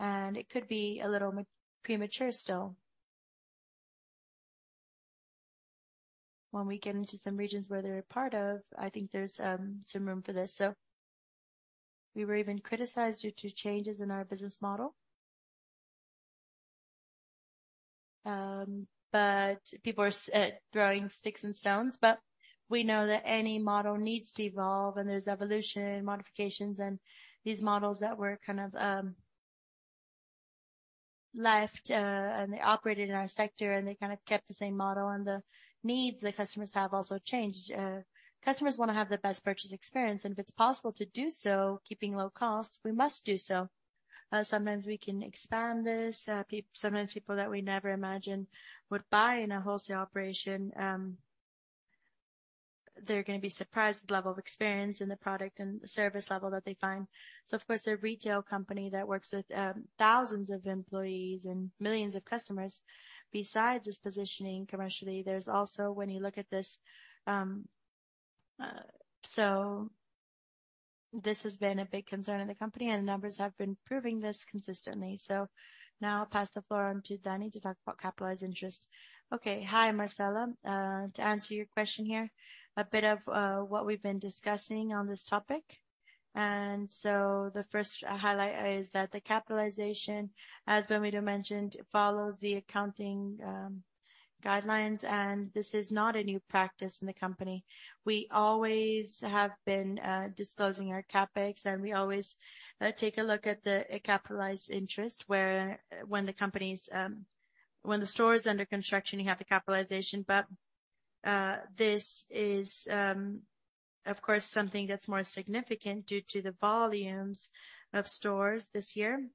and it could be a little premature still. We get into some regions where they're a part of, I think there's some room for this. We were even criticized due to changes in our business model. People are throwing sticks and stones, but we know that any model needs to evolve, and there's evolution, modifications, and these models that were kind of left, and they operated in our sector, and they kind of kept the same model and the needs the customers have also changed. Customers wanna have the best purchase experience, and if it's possible to do so, keeping low costs, we must do so. Sometimes people that we never imagined would buy in a wholesale operation, they're gonna be surprised with the level of experience and the product and the service level that they find. Of course, a retail company that works with thousands of employees and millions of customers, besides this positioning commercially, there's also when you look at this. This has been a big concern in the company, and the numbers have been proving this consistently. Now I'll pass the floor on to Daniela to talk about capitalized interest. Okay. Hi, Marcella. To answer your question here, a bit of what we've been discussing on this topic. The first highlight is that the capitalization, as Belmiro mentioned, follows the accounting guidelines, and this is not a new practice in the company. We always have been disclosing our CapEx, and we always take a look at the capitalized interest, where when the company's when the store is under construction, you have the capitalization. This is, of course, something that's more significant due to the volumes of stores this year.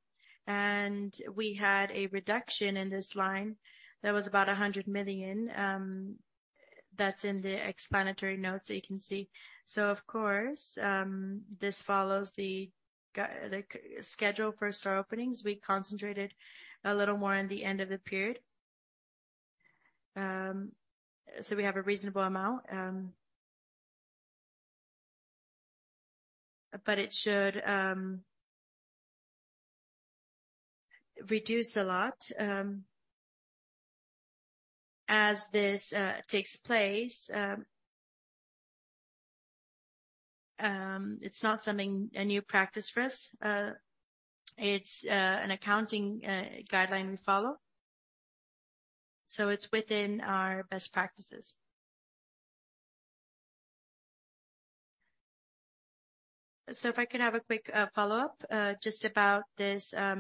We had a reduction in this line that was about 100 million. That's in the explanatory notes that you can see. Of course, this follows the schedule for store openings. We concentrated a little more on the end of the period. We have a reasonable amount. It should reduce a lot as this takes place. It's not a new practice for us. It's an accounting guideline we follow. It's within our best practices. If I could have a quick follow-up just about this, the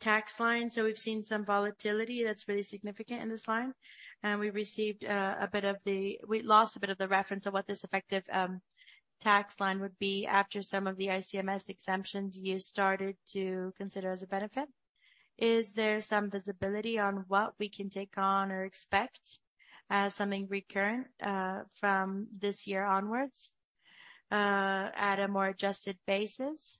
tax line. We've seen some volatility that's really significant in this line. We lost a bit of the reference of what this effective tax line would be after some of the ICMS exemptions you started to consider as a benefit. Is there some visibility on what we can take on or expect as something recurrent from this year onwards at a more adjusted basis?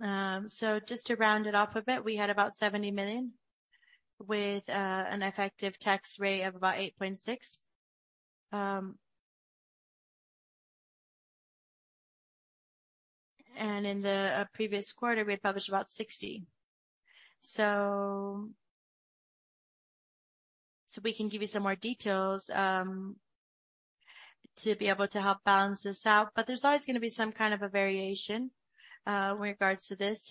Just to round it off a bit, we had about 70 million with an effective tax rate of about 8.6%. In the previous quarter, we had published about 60 million. We can give you some more details to be able to help balance this out. There's always gonna be some kind of a variation with regards to this.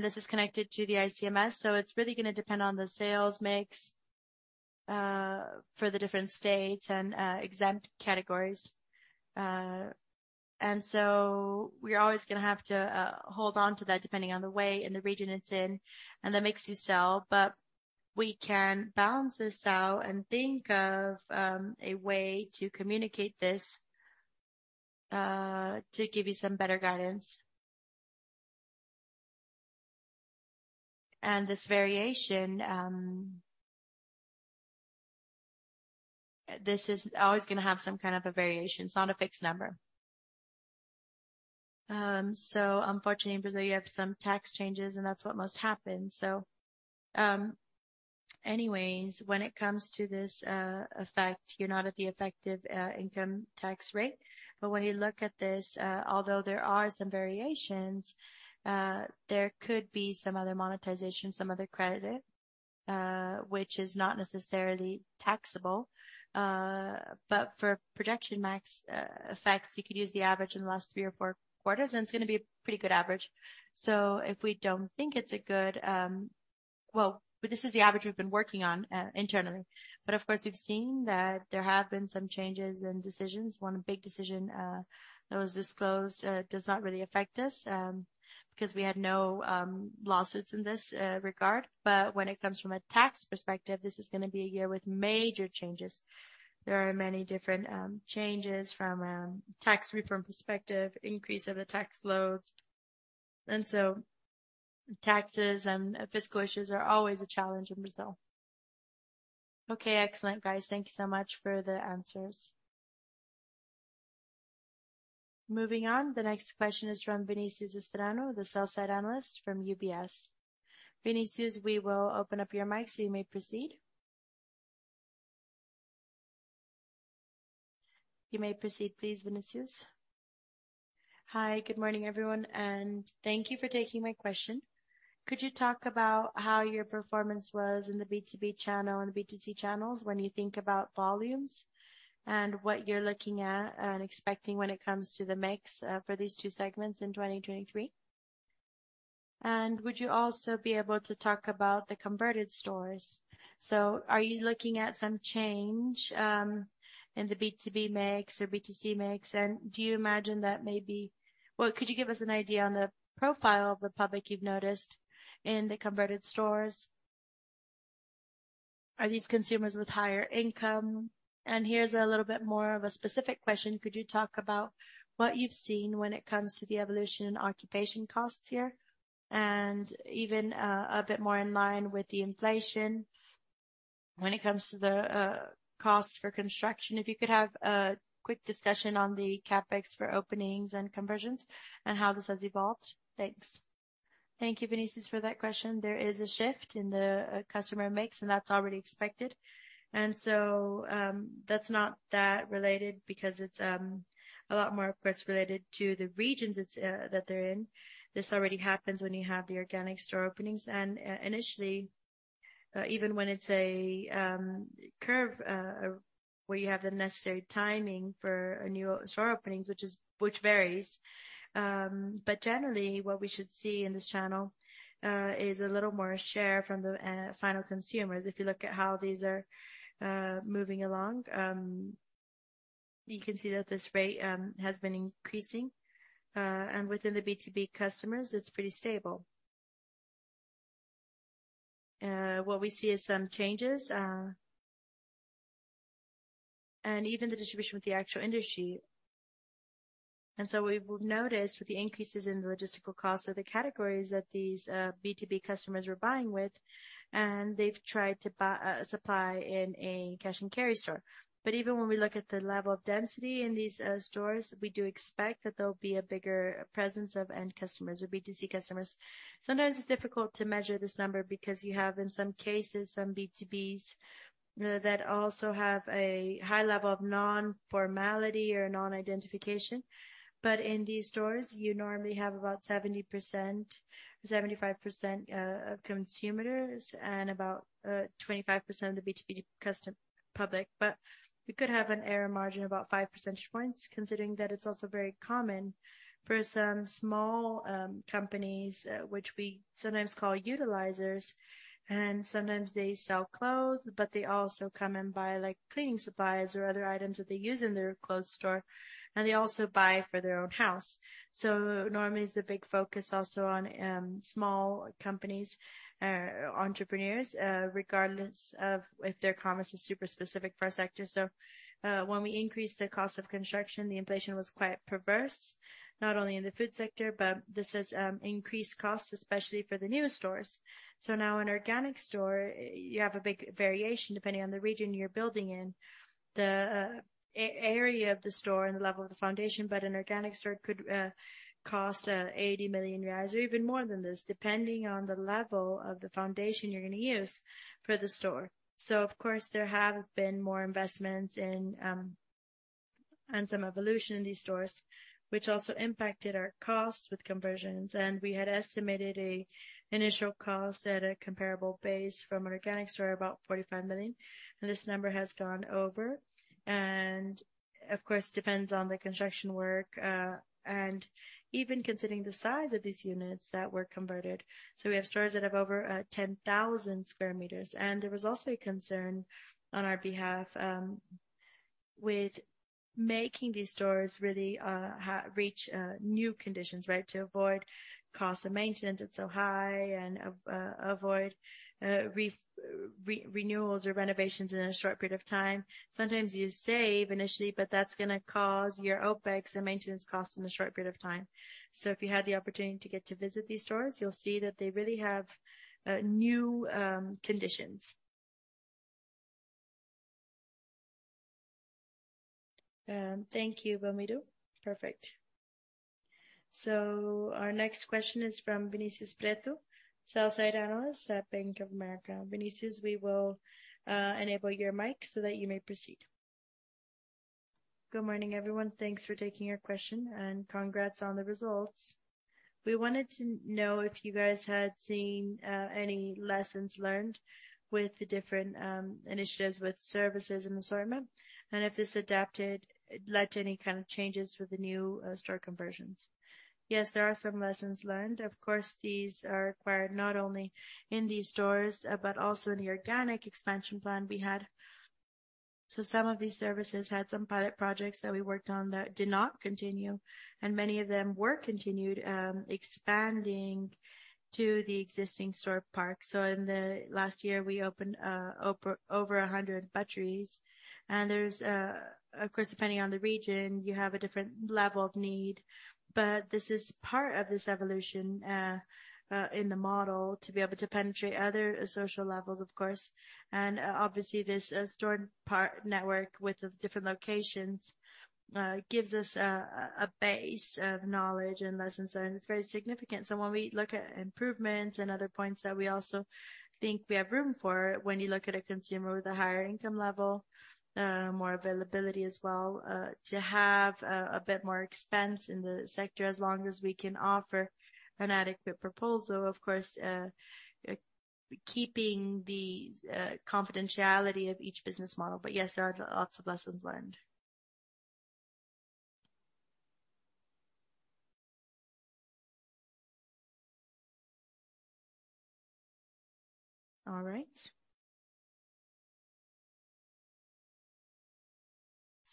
This is connected to the ICMS. It's really gonna depend on the sales mix for the different states and exempt categories. We're always gonna have to hold on to that depending on the way and the region it's in, and that makes you sell. We can balance this out and think of a way to communicate this to give you some better guidance. This variation, this is always gonna have some kind of a variation. It's not a fixed number. Unfortunately, in Brazil, you have some tax changes, and that's what must happen. Anyways, when it comes to this effect, you're not at the effective income tax rate. When you look at this, although there are some variations, there could be some other monetization, some other credit, which is not necessarily taxable. For projection max effects, you could use the average in the last three quarters or four quarters, and it's gonna be a pretty good average. This is the average we've been working on internally. Of course, we've seen that there have been some changes and decisions. One big decision that was disclosed does not really affect us because we had no lawsuits in this regard. When it comes from a tax perspective, this is gonna be a year with major changes. There are many different changes from a tax reform perspective, increase of the tax loads. Taxes and fiscal issues are always a challenge in Brazil. Okay. Excellent, guys. Thank you so much for the answers. Moving on. The next question is from Vinicius Strano with sell-side analyst from UBS. Vinícius, we will open up your mic so you may proceed. You may proceed, please, Vinícius. Hi, good morning, everyone, and thank you for taking my question. Could you talk about how your performance was in the B2B channel and B2C channels when you think about volumes and what you're looking at and expecting when it comes to the mix for these two segments in 2023? Would you also be able to talk about the converted stores? Are you looking at some change in the B2B mix or B2C mix? Do you imagine that maybe... Well, could you give us an idea on the profile of the public you've noticed in the converted stores? Are these consumers with higher income? Here's a little bit more of a specific question. Could you talk about what you've seen when it comes to the evolution in occupation costs here and even a bit more in line with the inflation when it comes to the cost for construction? If you could have a quick discussion on the CapEx for openings and conversions and how this has evolved. Thanks. Thank you, Vinicius, for that question. There is a shift in the customer mix, and that's already expected. That's not that related because it's a lot more, of course, related to the regions it's that they're in. This already happens when you have the organic store openings. Initially, even when it's a curve, where you have the necessary timing for a new store openings, which varies. Generally, what we should see in this channel is a little more share from the final consumers. If you look at how these are moving along, you can see that this rate has been increasing. Within the B2B customers, it's pretty stable. What we see is some changes, and even the distribution with the actual industry. We've noticed with the increases in the logistical costs of the categories that these B2B customers were buying with, and they've tried to supply in a cash and carry store. Even when we look at the level of density in these stores, we do expect that there'll be a bigger presence of end customers or B2C customers. Sometimes it's difficult to measure this number because you have, in some cases, some B2Bs that also have a high level of non-formality or non-identification. In these stores, you normally have about 70%, 75% of consumers and about 25% of the B2B custom public. We could have an error margin about 5 percentage points, considering that it's also very common for some small companies, which we sometimes call utilizers, and sometimes they sell clothes, but they also come and buy, like, cleaning supplies or other items that they use in their clothes store, and they also buy for their own house. Normally, it's a big focus also on small companies, entrepreneurs, regardless of if their commerce is super specific for a sector. When we increased the cost of construction, the inflation was quite perverse, not only in the food sector, but this has increased costs, especially for the newer stores. Now an organic store, you have a big variation depending on the region you're building in, the area of the store and the level of the foundation. An organic store could cost 80 million reais or even more than this, depending on the level of the foundation you're gonna use for the store. Of course, there have been more investments and some evolution in these stores, which also impacted our costs with conversions. We had estimated a initial cost at a comparable base from an organic store, about 45 million. This number has gone over and of course depends on the construction work, and even considering the size of these units that were converted. We have stores that have over 10,000 square meters. There was also a concern on our behalf, with making these stores really reach new conditions, right? To avoid costs of maintenance that's so high and avoid renewals or renovations in a short period of time. Sometimes you save initially, but that's gonna cause your OpEx and maintenance costs in a short period of time. If you had the opportunity to get to visit these stores, you'll see that they really have new conditions. Thank you, Belmiro. Perfect. Our next question is from Vinicius Pretto, sell-side analyst at Bank of America. Vinicius, we will enable your mic so that you may proceed. Good morning, everyone. Thanks for taking our question and congrats on the results. We wanted to know if you guys had seen any lessons learned with the different initiatives with services and assortment, and if this adapted led to any kind of changes with the new store conversions. Yes, there are some lessons learned. Of course, these are acquired not only in these stores, but also in the organic expansion plan we had. Some of these services had some pilot projects that we worked on that did not continue, and many of them were continued expanding to the existing store park. In the last year, we opened over 100 butcheries. There's a, of course, depending on the region, you have a different level of need. This is part of this evolution in the model to be able to penetrate other social levels, of course. Obviously this store park network with the different locations gives us a base of knowledge and lessons learned. It's very significant. When we look at improvements and other points that we also think we have room for, when you look at a consumer with a higher income level, more availability as well, to have a bit more expense in the sector, as long as we can offer an adequate proposal, of course, keeping the confidentiality of each business model. Yes, there are lots of lessons learned. All right.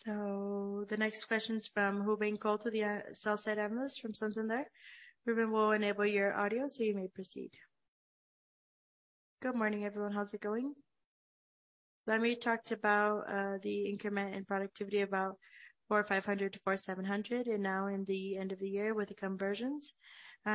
The next question is from Ruben Couto, the sell-side analyst from Santander. Ruben, we'll enable your audio, so you may proceed. Good morning, everyone. How's it going? When we talked about the increment in productivity, about 4,500-4,700 and now in the end of the year with the conversions,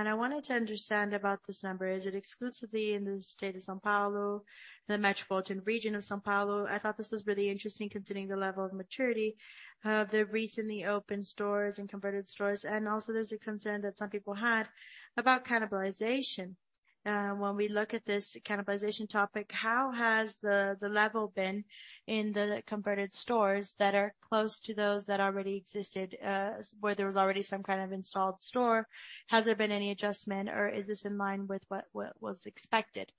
I wanted to understand about this number. Is it exclusively in the state of São Paulo, the metropolitan region of São Paulo? I thought this was really interesting considering the level of maturity of the recently opened stores and converted stores. Also there's a concern that some people had about cannibalization. When we look at this cannibalization topic, how has the level been in the converted stores that are close to those that already existed, where there was already some kind of installed store? Has there been any adjustment or is this in line with what was expected?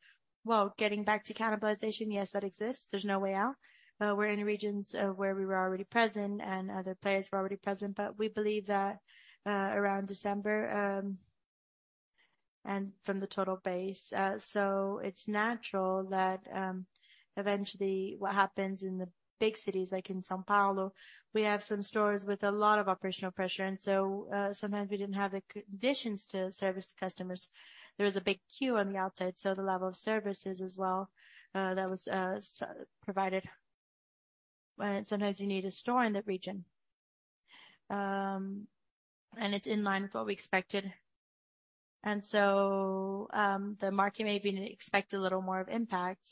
Well, getting back to cannibalization, yes, that exists. There's no way out. We're in regions where we were already present and other players were already present. We believe that, around December, and from the total base, so it's natural that, eventually what happens in the big cities, like in São Paulo, we have some stores with a lot of operational pressure and so, sometimes we didn't have the conditions to service the customers. There was a big queue on the outside, so the level of services as well, that was, provided. But sometimes you need a store in that region. It's in line with what we expected. The market maybe didn't expect a little more of impact.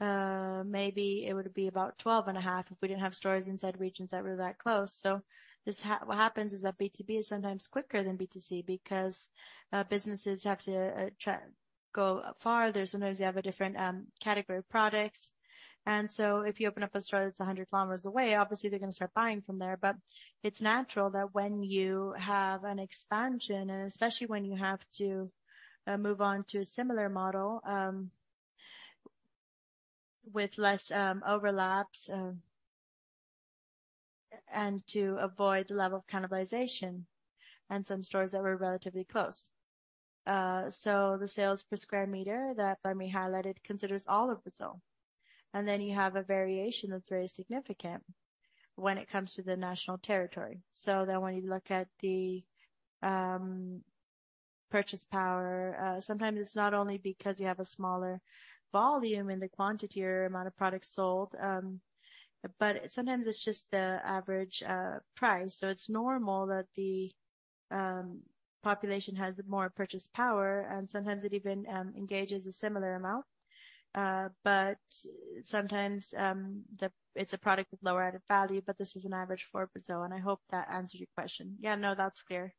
Maybe it would be about 12.5 if we didn't have stores inside regions that were that close. What happens is that B2B is sometimes quicker than B2C because businesses have to go farther. Sometimes you have a different category of products. If you open up a store that's 100 km away, obviously they're gonna start buying from there. It's natural that when you have an expansion, and especially when you have to move on to a similar model, with less overlaps, and to avoid the level of cannibalization and some stores that were relatively close. The sales per square meter that Belmiro highlighted considers all of Brazil. You have a variation that's very significant when it comes to the national territory. When you look at the purchase power, sometimes it's not only because you have a smaller volume in the quantity or amount of products sold, but sometimes it's just the average price. But sometimes, it's a product with lower added value, but this is an average for Brazil, and I hope that answers your question. Yeah, no, that's clear.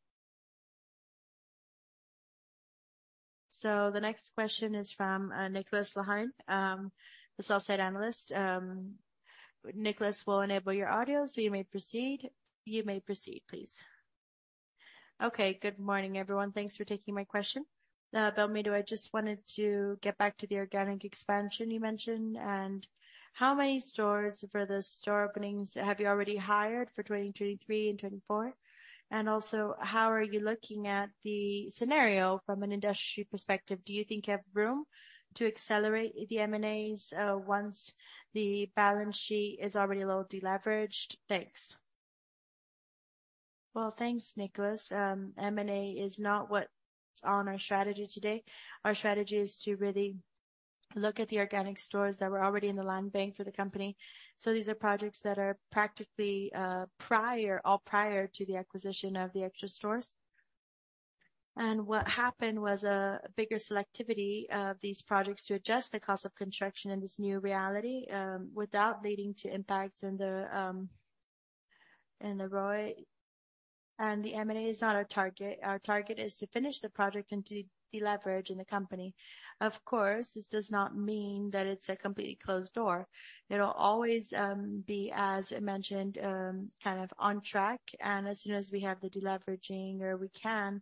The next question is from Nicholas Lahane, the sell-side analyst. Nicholas, we'll enable your audio so you may proceed. You may proceed, please. Okay. Good morning, everyone. Thanks for taking my question. Belmiro, just wanted to get back to the organic expansion you mentioned. How many stores for the store openings have you already hired for 2023 and 2024? How are you looking at the scenario from an industry perspective? Do you think you have room to accelerate the M&As once the balance sheet is already a little deleveraged? Thanks. Well, thanks, Nicholas. M&A is not what's on our strategy today. Our strategy is to really look at the organic stores that were already in the land bank for the company. These are projects that are practically prior, all prior to the acquisition of the extra stores. What happened was a bigger selectivity of these projects to adjust the cost of construction in this new reality, without leading to impacts in the ROI. The M&A is not our target. Our target is to finish the project and to deleverage in the company. Of course, this does not mean that it's a completely closed door. It'll always be, as I mentioned, kind of on track. As soon as we have the deleveraging or we can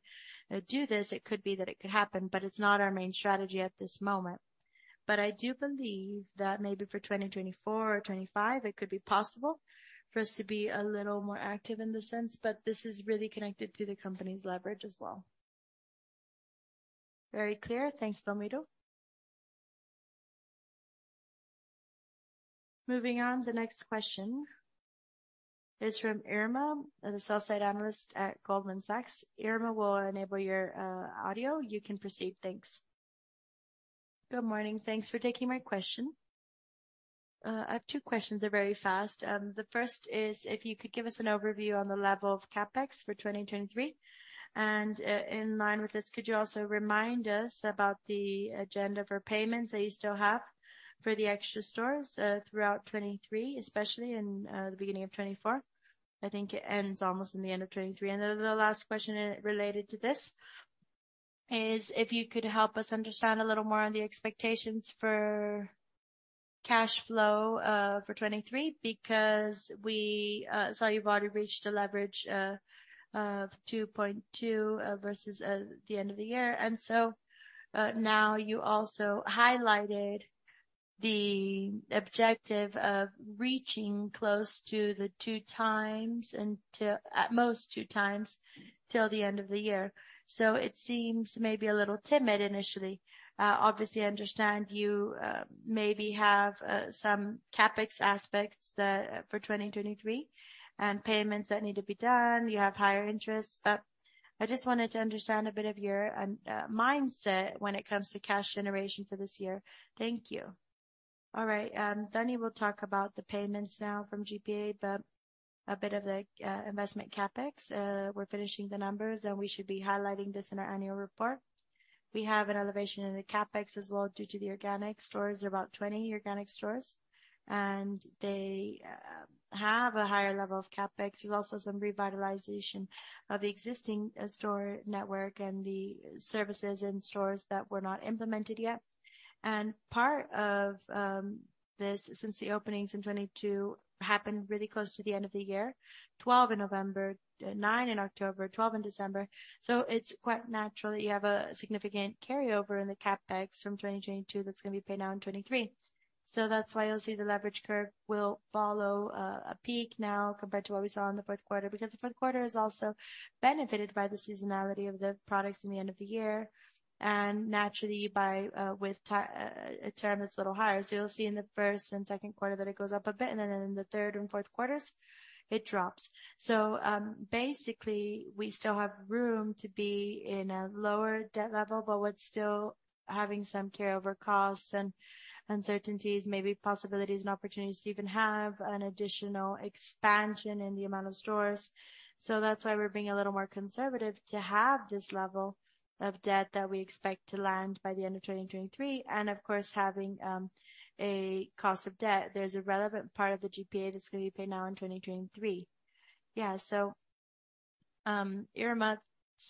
do this, it could be that it could happen, but it's not our main strategy at this moment. I do believe that maybe for 2024 or 2025, it could be possible for us to be a little more active in this sense, but this is really connected to the company's leverage as well. Very clear. Thanks, Belmiro. Moving on. The next question is from Irma, the sell-side analyst at Goldman Sachs. Irma, we'll enable your audio. You can proceed. Thanks. Good morning. Thanks for taking my question. I have two questions. They're very fast. The first is if you could give us an overview on the level of CapEx for 2023. In line with this, could you also remind us about the agenda for payments that you still have for the Extra stores throughout 2023, especially in the beginning of 2024? I think it ends almost in the end of 2023. The last question related to this is if you could help us understand a little more on the expectations for cash flow for 2023, because we saw you've already reached a leverage 2.2 versus the end of the year. Now you also highlighted the objective of reaching close to the 2x and to at most 2x till the end of the year. It seems maybe a little timid initially. Obviously, I understand you maybe have some CapEx aspects for 2023 and payments that need to be done. You have higher interest. I just wanted to understand a bit of your mindset when it comes to cash generation for this year. Thank you. All right. Daniela will talk about the payments now from GPA, but a bit of the investment CapEx. We're finishing the numbers, and we should be highlighting this in our annual report. We have an elevation in the CapEx as well due to the organic stores. There are about 20 organic stores, and they have a higher level of CapEx. There's also some revitalization of the existing store network and the services in stores that were not implemented yet. Part of this, since the openings in 2022 happened really close to the end of the year, 12 in November, nine in October, 12 in December. It's quite natural that you have a significant carryover in the CapEx from 2022 that's gonna be paid now in 2023. That's why you'll see the leverage curve will follow a peak now compared to what we saw in the Q4, because the Q4 is also benefited by the seasonality of the products in the end of the year, and naturally by a term that's a little higher. You'll see in the first and second quarter that it goes up a bit, and then in the third and Q4s, it drops. Basically, we still have room to be in a lower debt level, but with still having some carryover costs and uncertainties, maybe possibilities and opportunities to even have an additional expansion in the amount of stores. That's why we're being a little more conservative to have this level of debt that we expect to land by the end of 2023. Of course, having a cost of debt, there's a relevant part of the GPA that's gonna be paid now in 2023. Yeah. Irma,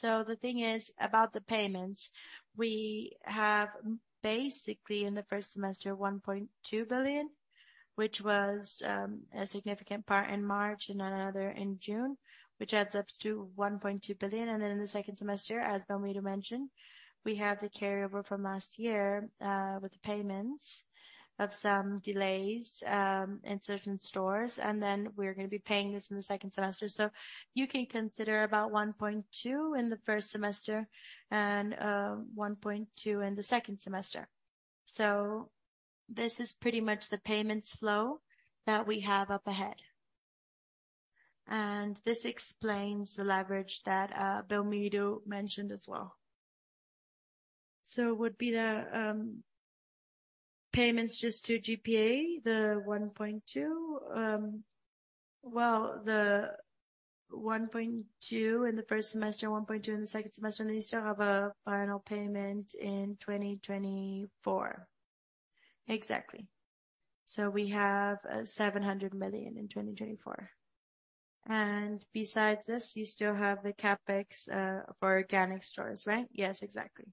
the thing is about the payments, we have basically in the first semester, 1.2 billion, which was a significant part in March and another in June, which adds up to 1.2 billion.In the second semester, as Belmiro mentioned, we have the carryover from last year, with the payments of some delays, in certain stores. We're gonna be paying this in the second semester. You can consider about 1.2 in the first semester and 1.2 in the second semester. This is pretty much the payments flow that we have up ahead. This explains the leverage that Belmiro mentioned as well. Would be the payments just to GPA, the 1.2? Well, the 1.2 in the first semester, 1.2 in the second semester, and you still have a final payment in 2024. Exactly. We have 700 million in 2024. Besides this, you still have the CapEx for organic stores, right? Yes, exactly.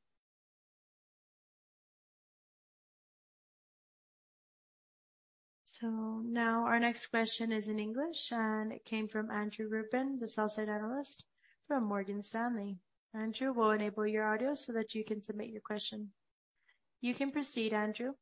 Now our next question is in English, and it came from Andrew Ruben, the sell-side analyst from Morgan Stanley. Andrew, we'll enable your audio so that you can submit your question. You can proceed, Andrew.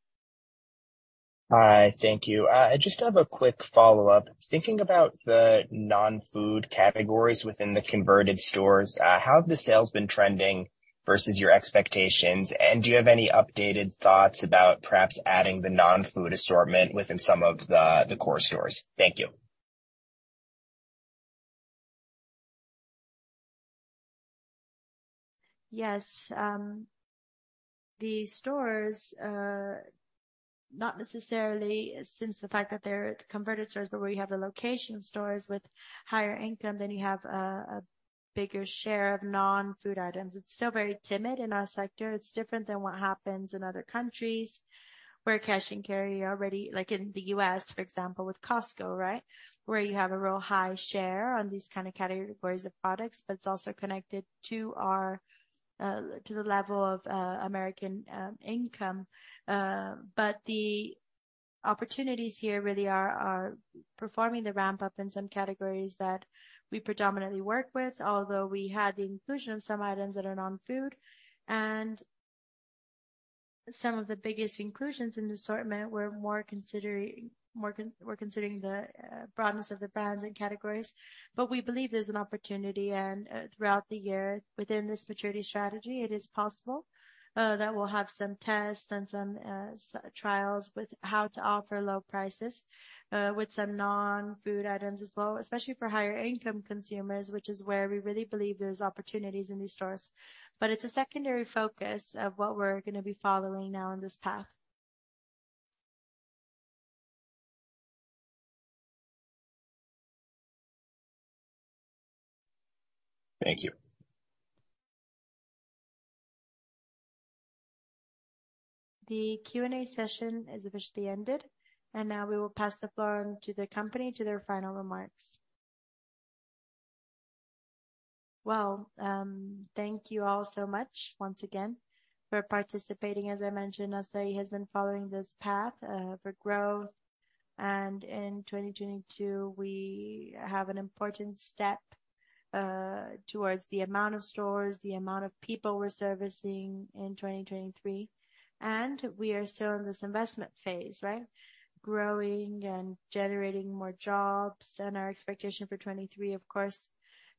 Hi, thank you. I just have a quick follow-up. Thinking about the non-food categories within the converted stores, how have the sales been trending versus your expectations? Do you have any updated thoughts about perhaps adding the non-food assortment within some of the core stores? Thank you. The stores, not necessarily since the fact that they're converted stores, but where you have the location of stores with higher income, then you have a bigger share of non-food items. It's still very timid in our sector. It's different than what happens in other countries where cash and carry already like in the U.S., for example, with Costco, right? Where you have a real high share on these kind of categories of products, but it's also connected to our to the level of American income. But the opportunities here really are performing the ramp-up in some categories that we predominantly work with, although we had the inclusion of some items that are non-food. Some of the biggest inclusions in the assortment, we're more considering, we're considering the broadness of the brands and categories. We believe there's an opportunity, and throughout the year, within this maturity strategy, it is possible that we'll have some tests and some trials with how to offer low prices with some non-food items as well, especially for higher income consumers, which is where we really believe there's opportunities in these stores. It's a secondary focus of what we're gonna be following now in this path. Thank you. The Q&A session has officially ended. Now we will pass the floor on to the company to their final remarks. Well, thank you all so much once again for participating. As I mentioned, Assaí has been following this path for growth. In 2022, we have an important step towards the amount of stores, the amount of people we're servicing in 2023. We are still in this investment phase, right? Growing and generating more jobs. Our expectation for 2023, of course,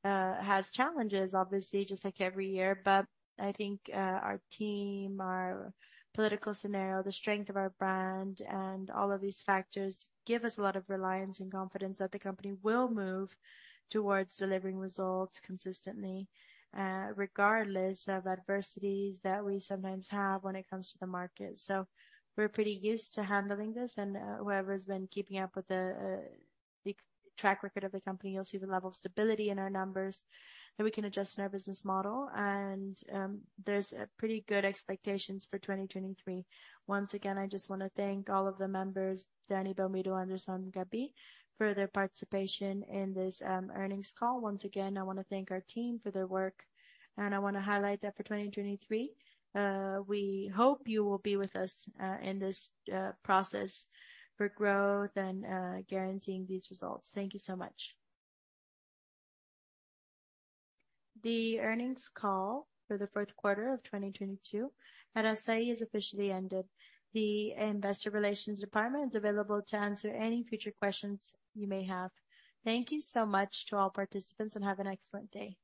has challenges, obviously, just like every year. I think our team, our political scenario, the strength of our brand, and all of these factors give us a lot of reliance and confidence that the company will move towards delivering results consistently regardless of adversities that we sometimes have when it comes to the market. We're pretty used to handling this. Whoever's been keeping up with the track record of the company, you'll see the level of stability in our numbers, and we can adjust in our business model. There's pretty good expectations for 2023. Once again, I just wanna thank all of the members, Daniela, Belmiro, Anderson, Gabrielle, for their participation in this earnings call. Once again, I wanna thank our team for their work, and I wanna highlight that for 2023, we hope you will be with us in this process for growth and guaranteeing these results. Thank you so much. The earnings call for the Q4 of 2022 at Assaí has officially ended. The investor relations department is available to answer any future questions you may have. Thank you so much to all participants, and have an excellent day.